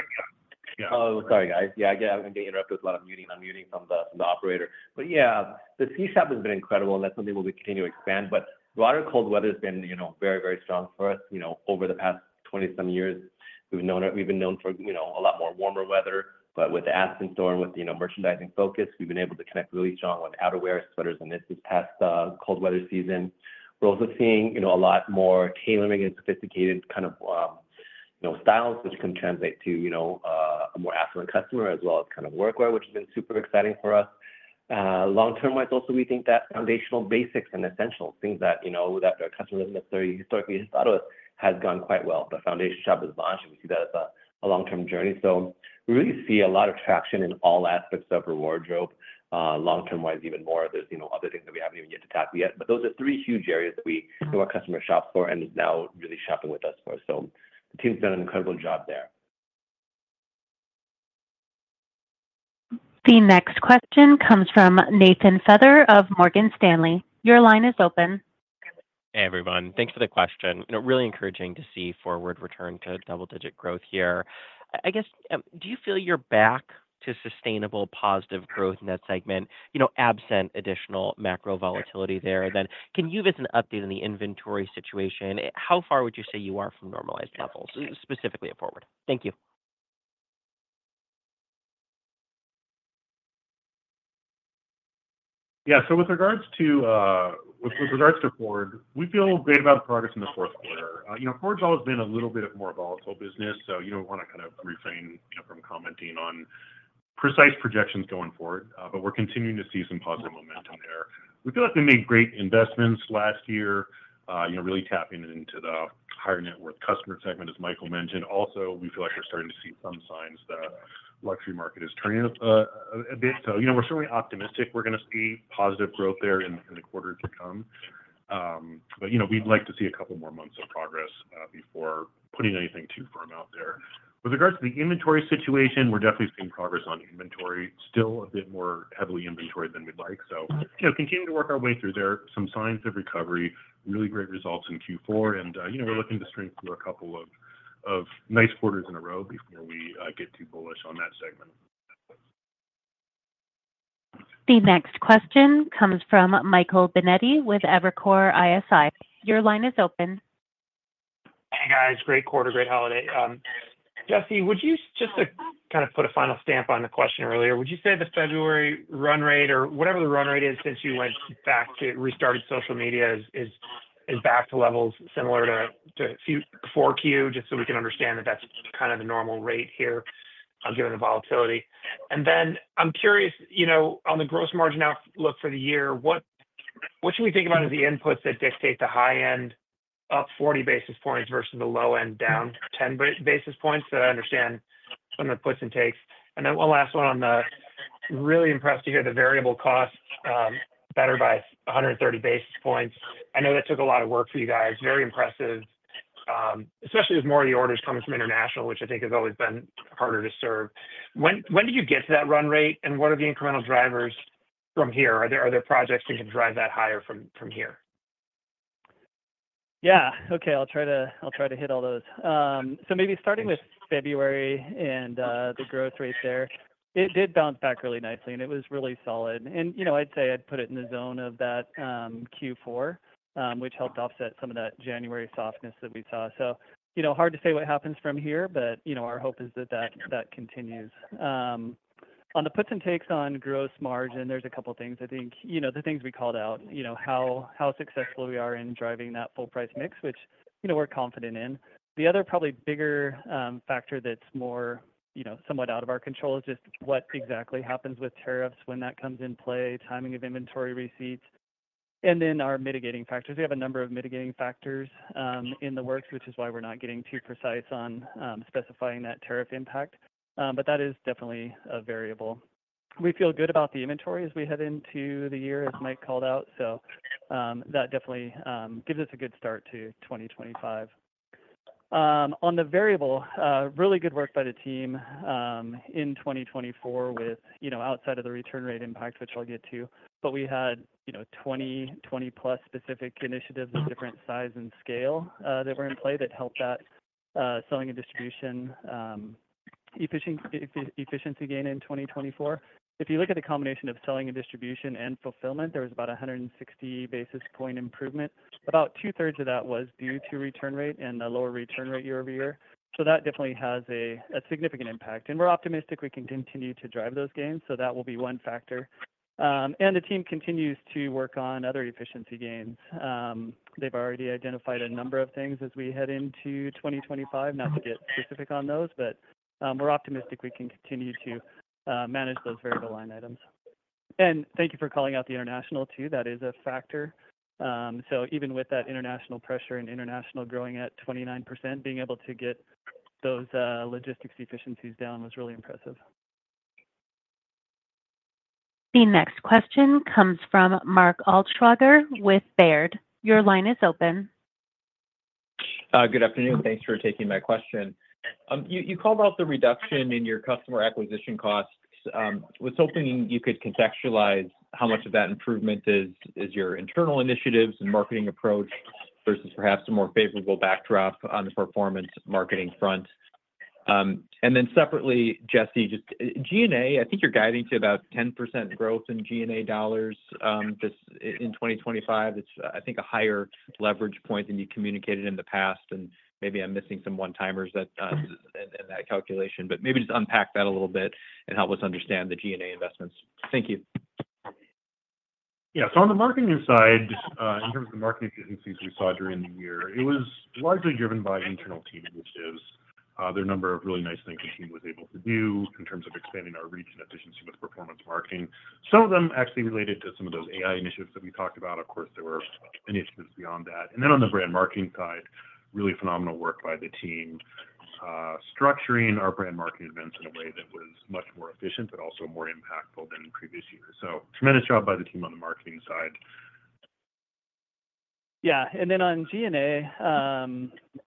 Oh, sorry, guys. Yeah, I get interrupted with a lot of muting on muting from the operator. But yeah, the Sea shop has been incredible, and that's something we'll continue to expand. But the cold weather has been very, very strong for us over the past 20-some years. We've been known for a lot more warmer weather. But with the Aspen store and with merchandising focus, we've been able to connect really strong on outerwear, sweaters, and knits this past cold weather season. We're also seeing a lot more tailoring and sophisticated kind of styles, which can translate to a more affluent customer as well as kind of workwear, which has been super exciting for us. Long-term-wise, also, we think that foundational basics and essentials, things that our customer hasn't necessarily historically thought of, have gone quite well. The Foundation Shop is launched. We see that as a long-term journey. So we really see a lot of traction in all aspects of our wardrobe. Long-term-wise, even more. There's other things that we haven't even tackled yet. But those are three huge areas that we have our customers shop for and are now really shopping with us for. So the team's done an incredible job there. The next question comes from Nathan Feather of Morgan Stanley. Your line is open. Hey, everyone. Thanks for the question. Really encouraging to see FWRD return to double-digit growth here. I guess, do you feel you're back to sustainable positive growth in that segment, absent additional macro volatility there? Then can you give us an update on the inventory situation? How far would you say you are from normalized levels, specifically at FWRD? Thank you. Yeah. So with regards to FWRD, we feel great about the progress in the Q4. FWRD's always been a little bit more volatile business. So we want to kind of refrain from commenting on precise projections going forward, but we're continuing to see some positive momentum there. We feel like we made great investments last year, really tapping into the higher net worth customer segment, as Michael mentioned. Also, we feel like we're starting to see some signs that the luxury market is turning a bit. So we're certainly optimistic we're going to see positive growth there in the quarter to come. But we'd like to see a couple more months of progress before putting anything too firm out there. With regards to the inventory situation, we're definitely seeing progress on inventory, still a bit more heavily inventoried than we'd like. So continuing to work our way through there, some signs of recovery, really great results in Q4. We're looking to strengthen through a couple of nice quarters in a row before we get too bullish on that segment. The next question comes from Michael Binetti with Evercore ISI. Your line is open. Hey, guys. Great quarter, great holiday. Jesse, would you just kind of put a final stamp on the question earlier? Would you say the February run rate or whatever the run rate is since you went back to restarted social media is back to levels similar to Q4, just so we can understand that that's kind of the normal rate here given the volatility? And then I'm curious, on the gross margin outlook for the year, what should we think about as the inputs that dictate the high end up 40 basis points versus the low end down 10 basis points? So I understand some of the puts and takes. And then one last one on the variable costs. Really impressed to hear the variable costs better by 130 basis points. I know that took a lot of work for you guys. Very impressive, especially with more of the orders coming from international, which I think has always been harder to serve. When did you get to that run rate, and what are the incremental drivers from here? Are there projects that can drive that higher from here? Yeah. Okay. I'll try to hit all those. So maybe starting with February and the growth rate there, it did bounce back really nicely, and it was really solid. And I'd say I put it in the zone of that Q4, which helped offset some of that January softness that we saw. So hard to say what happens from here, but our hope is that that continues. On the puts and takes on gross margin, there's a couple of things. I think the things we called out, how successful we are in driving that full-price mix, which we're confident in. The other probably bigger factor that's somewhat out of our control is just what exactly happens with tariffs when that comes in play, timing of inventory receipts, and then our mitigating factors. We have a number of mitigating factors in the works, which is why we're not getting too precise on specifying that tariff impact. But that is definitely a variable. We feel good about the inventory as we head into the year, as Mike called out. So that definitely gives us a good start to 2025. On the variable, really good work by the team in 2024 with outside of the return rate impact, which I'll get to, but we had 20, 20+ specific initiatives of different size and scale that were in play that helped that selling and distribution efficiency gain in 2024. If you look at the combination of selling and distribution and fulfillment, there was about a 160 basis points improvement. About two-thirds of that was due to return rate and a lower return rate year-over-year, so that definitely has a significant impact, and we're optimistic we can continue to drive those gains, so that will be one factor, and the team continues to work on other efficiency gains. They've already identified a number of things as we head into 2025, not to get specific on those, but we're optimistic we can continue to manage those variable line items. And thank you for calling out the international too. That is a factor. So even with that international pressure and international growing at 29%, being able to get those logistics efficiencies down was really impressive. The next question comes from Mark Altschwager with Baird. Your line is open. Good afternoon. Thanks for taking my question. You called out the reduction in your customer acquisition costs. I was hoping you could contextualize how much of that improvement is your internal initiatives and marketing approach versus perhaps a more favorable backdrop on the performance marketing front. And then separately, Jesse, just G&A, I think you're guiding to about 10% growth in G&A dollars in 2025. It's, I think, a higher leverage point than you communicated in the past. And maybe I'm missing some one-timers in that calculation, but maybe just unpack that a little bit and help us understand the G&A investments. Thank you. Yeah. So on the marketing side, in terms of the marketing efficiencies we saw during the year, it was largely driven by internal team initiatives. There are a number of really nice things the team was able to do in terms of expanding our reach and efficiency with performance marketing. Some of them actually related to some of those AI initiatives that we talked about. Of course, there were initiatives beyond that. And then on the brand marketing side, really phenomenal work by the team structuring our brand marketing events in a way that was much more efficient, but also more impactful than previous years. So tremendous job by the team on the marketing side. Yeah. And then on G&A,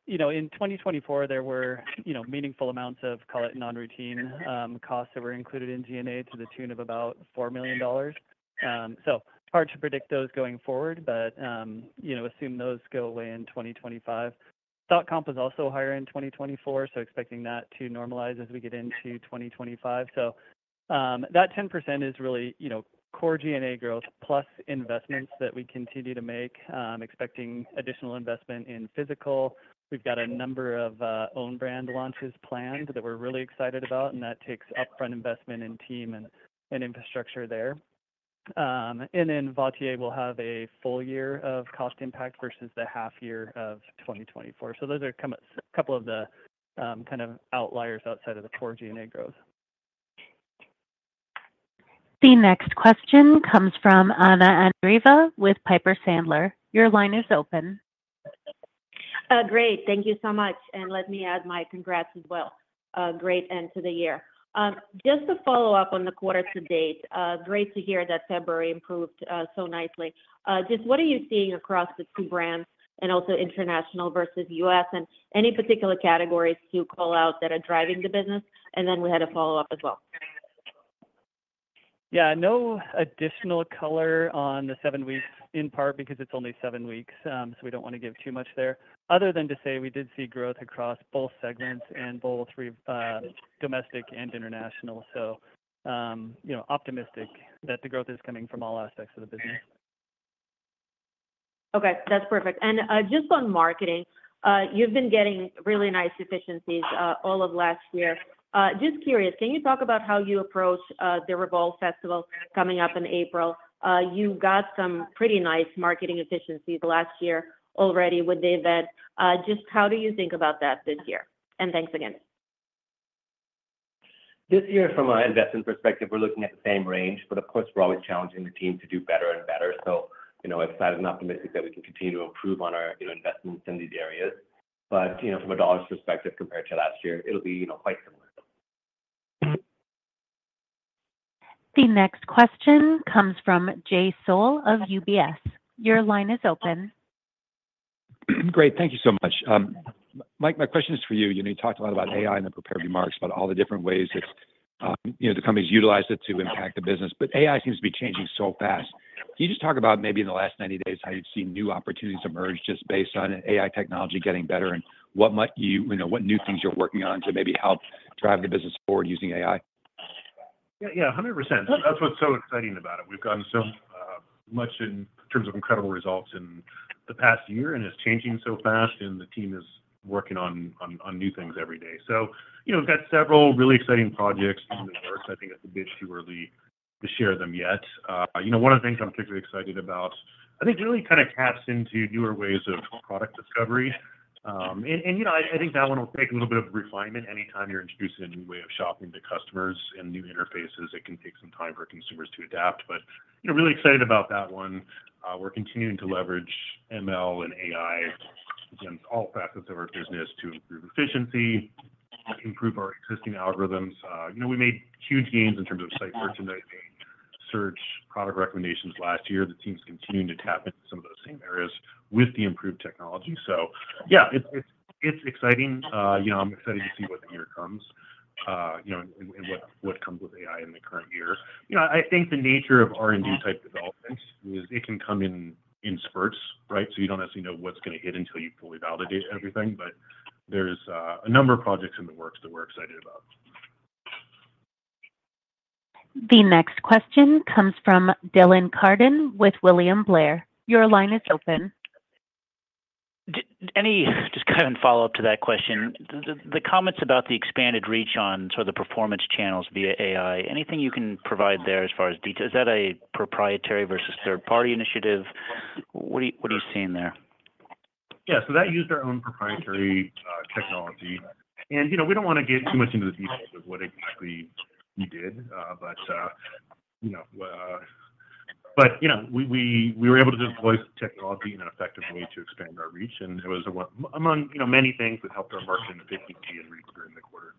in 2024, there were meaningful amounts of, call it non-routine costs that were included in G&A to the tune of about $4 million. So hard to predict those going forward, but assume those go away in 2025. Stock comp was also higher in 2024, so expecting that to normalize as we get into 2025. So that 10% is really core G&A growth plus investments that we continue to make, expecting additional investment in physical. We've got a number of own brand launches planned that we're really excited about, and that takes upfront investment and team and infrastructure there. And then Vauthier, we'll have a full year of cost impact versus the half year of 2024. So those are a couple of the kind of outliers outside of the core G&A growth. The next question comes from Anna Andreeva with Piper Sandler. Your line is open. Great. Thank you so much. And let me add my congrats as well. Great end to the year. Just to follow up on the quarter to date, great to hear that February improved so nicely. Just what are you seeing across the two brands and also international versus U.S. and any particular categories to call out that are driving the business? And then we had a follow-up as well. Yeah. No additional color on the seven weeks, in part because it's only seven weeks, so we don't want to give too much there, other than to say we did see growth across both segments and both domestic and international. So optimistic that the growth is coming from all aspects of the business. Okay. That's perfect. And just on marketing, you've been getting really nice efficiencies all of last year. Just curious, can you talk about how you approach the Revolve Festival coming up in April? You got some pretty nice marketing efficiencies last year already with the event. Just how do you think about that this year? And thanks again. This year, from an investment perspective, we're looking at the same range, but of course, we're always challenging the team to do better and better. So I'm excited and optimistic that we can continue to improve on our investments in these areas. But from a dollars perspective compared to last year, it'll be quite similar. The next question comes from Jay Sole of UBS. Your line is open. Great. Thank you so much. Mike, my question is for you. You talked a lot about AI in the prepared remarks about all the different ways that the companies utilize it to impact the business. But AI seems to be changing so fast. Can you just talk about maybe in the last 90 days how you've seen new opportunities emerge just based on AI technology getting better and what new things you're working on to maybe help drive the business forward using AI? Yeah, 100%. That's what's so exciting about it. We've gotten so much in terms of incredible results in the past year and it's changing so fast, and the team is working on new things every day. So we've got several really exciting projects in the works. I think it's a bit too early to share them yet. One of the things I'm particularly excited about, I think, really kind of taps into newer ways of product discovery. And I think that one will take a little bit of refinement. Anytime you're introducing a new way of shopping to customers and new interfaces, it can take some time for consumers to adapt. But really excited about that one. We're continuing to leverage ML and AI against all facets of our business to improve efficiency, improve our existing algorithms. We made huge gains in terms of site search and search product recommendations last year. The team's continuing to tap into some of those same areas with the improved technology. So yeah, it's exciting. I'm excited to see what the year comes and what comes with AI in the current year. I think the nature of R&D type developments is it can come in spurts, right? So you don't necessarily know what's going to hit until you fully validate everything. But there's a number of projects in the works that we're excited about. The next question comes from Dylan Carden with William Blair. Your line is open. Just kind of in follow-up to that question, the comments about the expanded reach on sort of the performance channels via AI, anything you can provide there as far as detail? Is that a proprietary versus third-party initiative? What are you seeing there? Yeah. So that used our own proprietary technology. And we don't want to get too much into the details of what exactly we did. But we were able to deploy technology in an effective way to expand our reach. And it was among many things that helped our marketing efficiency and reach during the quarter.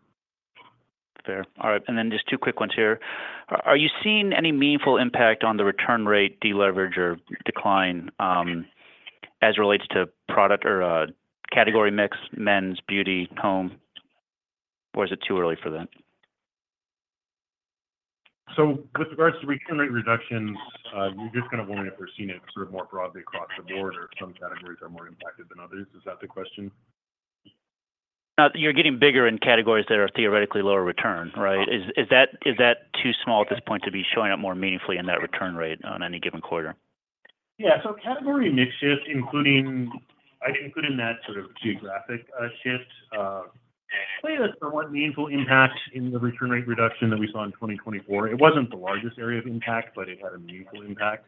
Fair. All right. And then just two quick ones here. Are you seeing any meaningful impact on the return rate, deleverage, or decline as it relates to product or category mix, men's, beauty, home? Or is it too early for that? So with regards to return rate reductions, you're just kind of wondering if we're seeing it sort of more broadly across the board or some categories are more impacted than others. Is that the question? You're getting bigger in categories that are theoretically lower return, right? Is that too small at this point to be showing up more meaningfully in that return rate on any given quarter? Yeah. So category mix shift, including that sort of geographic shift, plays for one meaningful impact in the return rate reduction that we saw in 2024. It wasn't the largest area of impact, but it had a meaningful impact.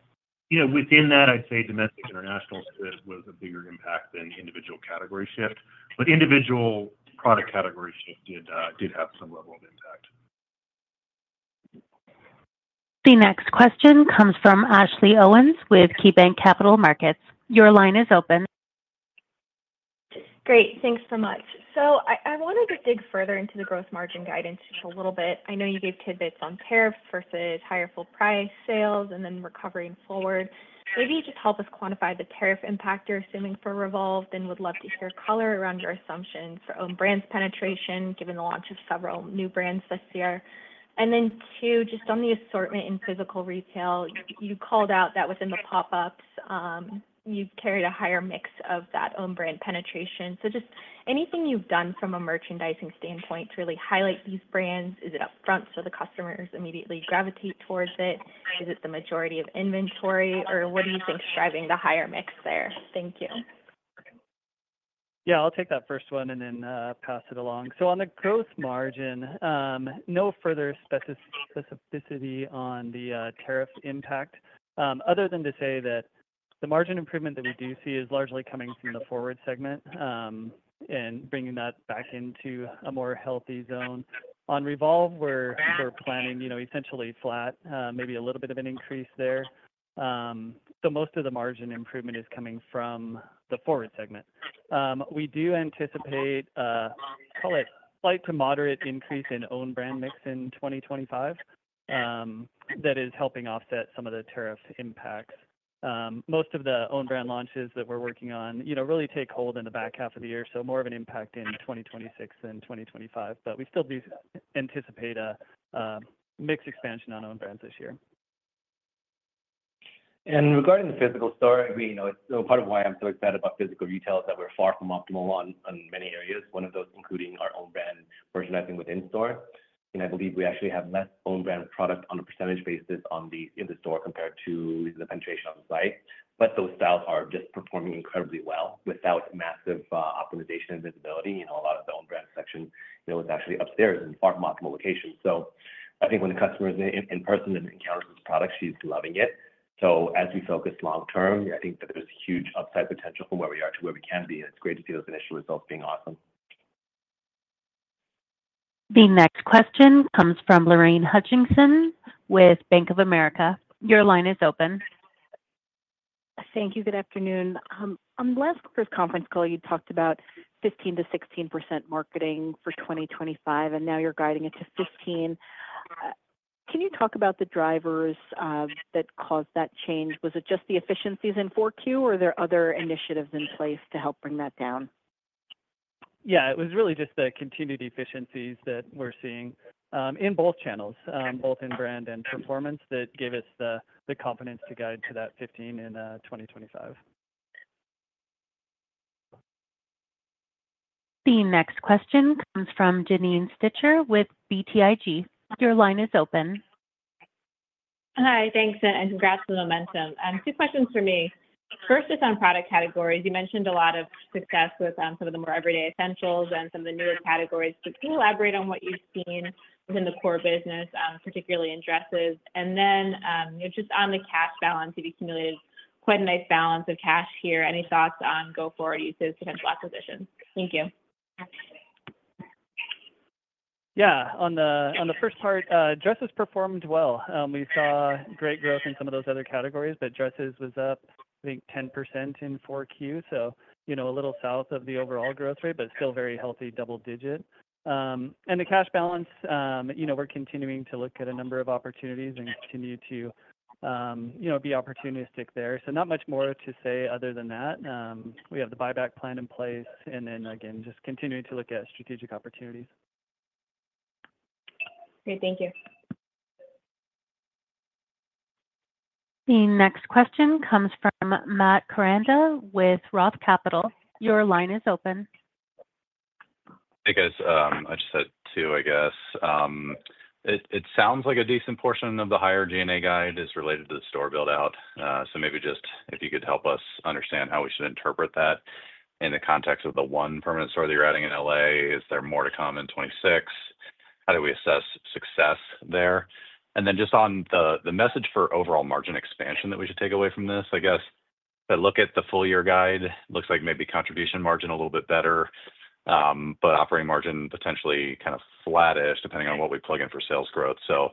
Within that, I'd say domestic international was a bigger impact than individual category shift. But individual product category shift did have some level of impact. The next question comes from Ashley Owens with KeyBanc Capital Markets. Your line is open. Great. Thanks so much. So I wanted to dig further into the gross margin guidance just a little bit. I know you gave tidbits on tariffs versus higher full-price sales and then recovering FWRD. Maybe you just help us quantify the tariff impact you're assuming for Revolve and would love to hear color around your assumptions for own brands penetration given the launch of several new brands this year. And then too, just on the assortment in physical retail, you called out that within the pop-ups, you've carried a higher mix of that own brand penetration. So just anything you've done from a merchandising standpoint to really highlight these brands? Is it upfront so the customers immediately gravitate towards it? Is it the majority of inventory, or what do you think's driving the higher mix there? Thank you. Yeah. I'll take that first one and then pass it along. So on the gross margin, no further specificity on the tariff impact other than to say that the margin improvement that we do see is largely coming from the FWRD segment and bringing that back into a more healthy zone. On Revolve, we're planning essentially flat, maybe a little bit of an increase there. So most of the margin improvement is coming from the FWRD segment. We do anticipate, call it, slight to moderate increase in own brand mix in 2025 that is helping offset some of the tariff impacts. Most of the own brand launches that we're working on really take hold in the back half of the year, so more of an impact in 2026 than 2025. But we still do anticipate a mixed expansion on own brands this year. And regarding the physical store, I agree. Part of why I'm so excited about physical retail is that we're far from optimal in many areas, one of those including our own brand merchandising within store, and I believe we actually have less own brand product on a percentage basis in the store compared to the penetration on site, but those styles are just performing incredibly well without massive optimization and visibility. A lot of the own brand section was actually upstairs in far more optimal locations, so I think when the customer is in person and encounters this product, she's loving it, so as we focus long-term, I think that there's huge upside potential from where we are to where we can be, and it's great to see those initial results being awesome. The next question comes from Lorraine Hutchinson with Bank of America. Your line is open. Thank you. Good afternoon. On the last first conference call, you talked about 15% to 16% marketing for 2025, and now you're guiding it to 15%. Can you talk about the drivers that caused that change? Was it just the efficiencies in Q4, or are there other initiatives in place to help bring that down? Yeah. It was really just the continued efficiencies that we're seeing in both channels, both in brand and performance that gave us the confidence to guide to that 15% in 2025. The next question comes from Janine Stichter with BTIG. Your line is open. Hi. Thanks. And congrats on the momentum. Two questions for me. First is on product categories. You mentioned a lot of success with some of the more everyday essentials and some of the newer categories. Can you elaborate on what you've seen within the core business, particularly in dresses? And then just on the cash balance, you've accumulated quite a nice balance of cash here. Any thoughts on go-forward uses, potential acquisitions? Thank you. Yeah. On the first part, dresses performed well. We saw great growth in some of those other categories, but dresses was up, I think, 10% in Q4, so a little south of the overall growth rate, but still very healthy double digit. And the cash balance, we're continuing to look at a number of opportunities and continue to be opportunistic there. So not much more to say other than that. We have the buyback plan in place. And then, again, just continuing to look at strategic opportunities. Great. Thank you. The next question comes from Matt Koranda with Roth Capital. Your line is open. I guess I just had two, I guess. It sounds like a decent portion of the higher G&A guide is related to the store build-out. So maybe just if you could help us understand how we should interpret that in the context of the one permanent store that you're adding in LA. Is there more to come in 2026? How do we assess success there? And then just on the message for overall margin expansion that we should take away from this, I guess that look at the full-year guide looks like maybe contribution margin a little bit better, but operating margin potentially kind of flattish depending on what we plug in for sales growth. So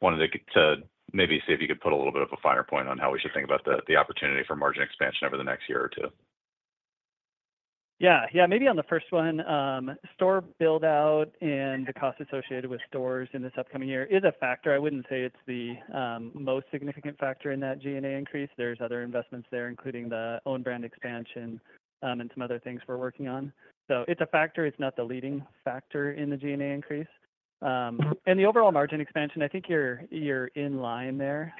wanted to maybe see if you could put a little bit of a finer point on how we should think about the opportunity for margin expansion over the next year or two. Yeah. Yeah. Maybe on the first one, store build-out and the cost associated with stores in this upcoming year is a factor. I wouldn't say it's the most significant factor in that G&A increase. There's other investments there, including the own brand expansion and some other things we're working on. So it's a factor. It's not the leading factor in the G&A increase and the overall margin expansion. I think you're in line there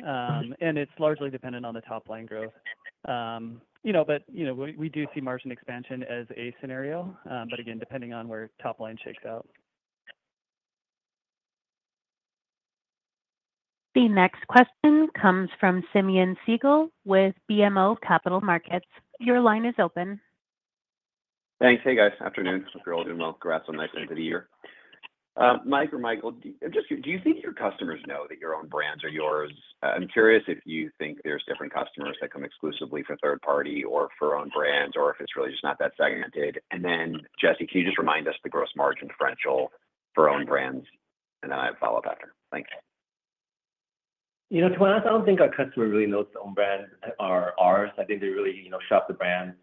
and it's largely dependent on the top-line growth, but we do see margin expansion as a scenario, but again, depending on where top-line shakes out. The next question comes from Simeon Siegel with BMO Capital Markets. Your line is open. Thanks. Hey, guys. Afternoon. Hope you're all doing well. Congrats on nice end of the year. Mike or Michael, do you think your customers know that your own brands are yours? I'm curious if you think there's different customers that come exclusively for third-party or for own brands or if it's really just not that segmented. And then, Jesse, can you just remind us the gross margin differential for own brands? And then I'll follow up after. Thanks. To be honest, I don't think our customers really know if the own brands are ours. I think they really shop the brands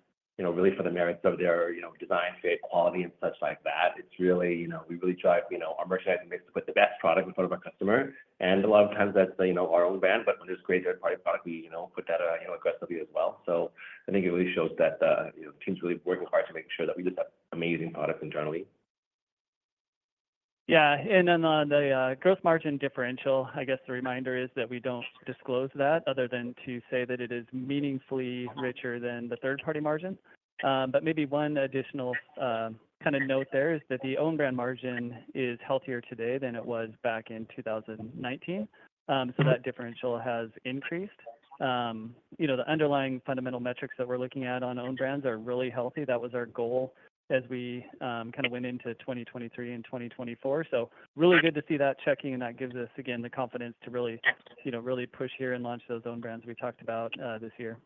really for the merits of their design, fit, quality, and such like that. It's really we really drive our merchandising mix to put the best product in front of our customer. And a lot of times, that's our own brand. But when there's great third-party product, we put that aggressively as well. So I think it really shows that the team's really working hard to make sure that we just have amazing products internally. Yeah. And then on the gross margin differential, I guess the reminder is that we don't disclose that other than to say that it is meaningfully richer than the third-party margin. But maybe one additional kind of note there is that the own brand margin is healthier today than it was back in 2019. So that differential has increased. The underlying fundamental metrics that we're looking at on own brands are really healthy. That was our goal as we kind of went into 2023 and 2024. So really good to see that checking. And that gives us, again, the confidence to really push here and launch those own brands we talked about this year.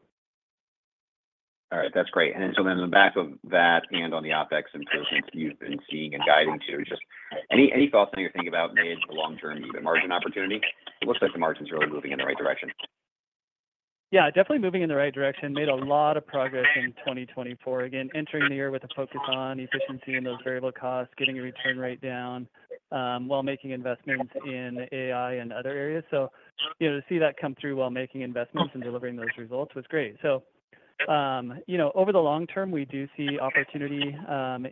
All right. That's great. And so then on the back of that and on the OpEx improvements you've been seeing and guiding to, just any thoughts on your thinking about mid- to long-term margin opportunity? It looks like the margin's really moving in the right direction. Yeah. Definitely moving in the right direction. Made a lot of progress in 2024. Again, entering the year with a focus on efficiency and those variable costs, getting a return rate down while making investments in AI and other areas. So to see that come through while making investments and delivering those results was great. So over the long term, we do see opportunity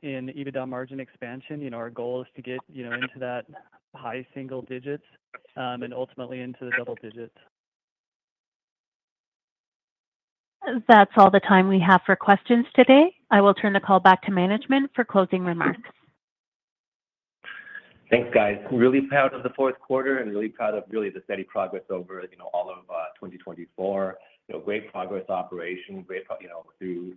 in EBITDA margin expansion. Our goal is to get into that high single digits and ultimately into the double digits. That's all the time we have for questions today. I will turn the call back to management for closing remarks. Thanks, guys. Really proud of the Q4 and really proud of really the steady progress over all of 2024. Great progress operation, great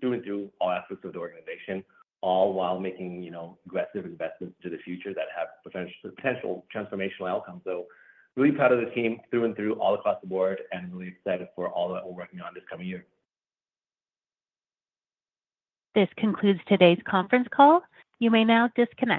through and through all aspects of the organization, all while making aggressive investments into the future that have potential transformational outcomes. So really proud of the team through and through all across the board and really excited for all that we're working on this coming year. This concludes today's conference call. You may now disconnect.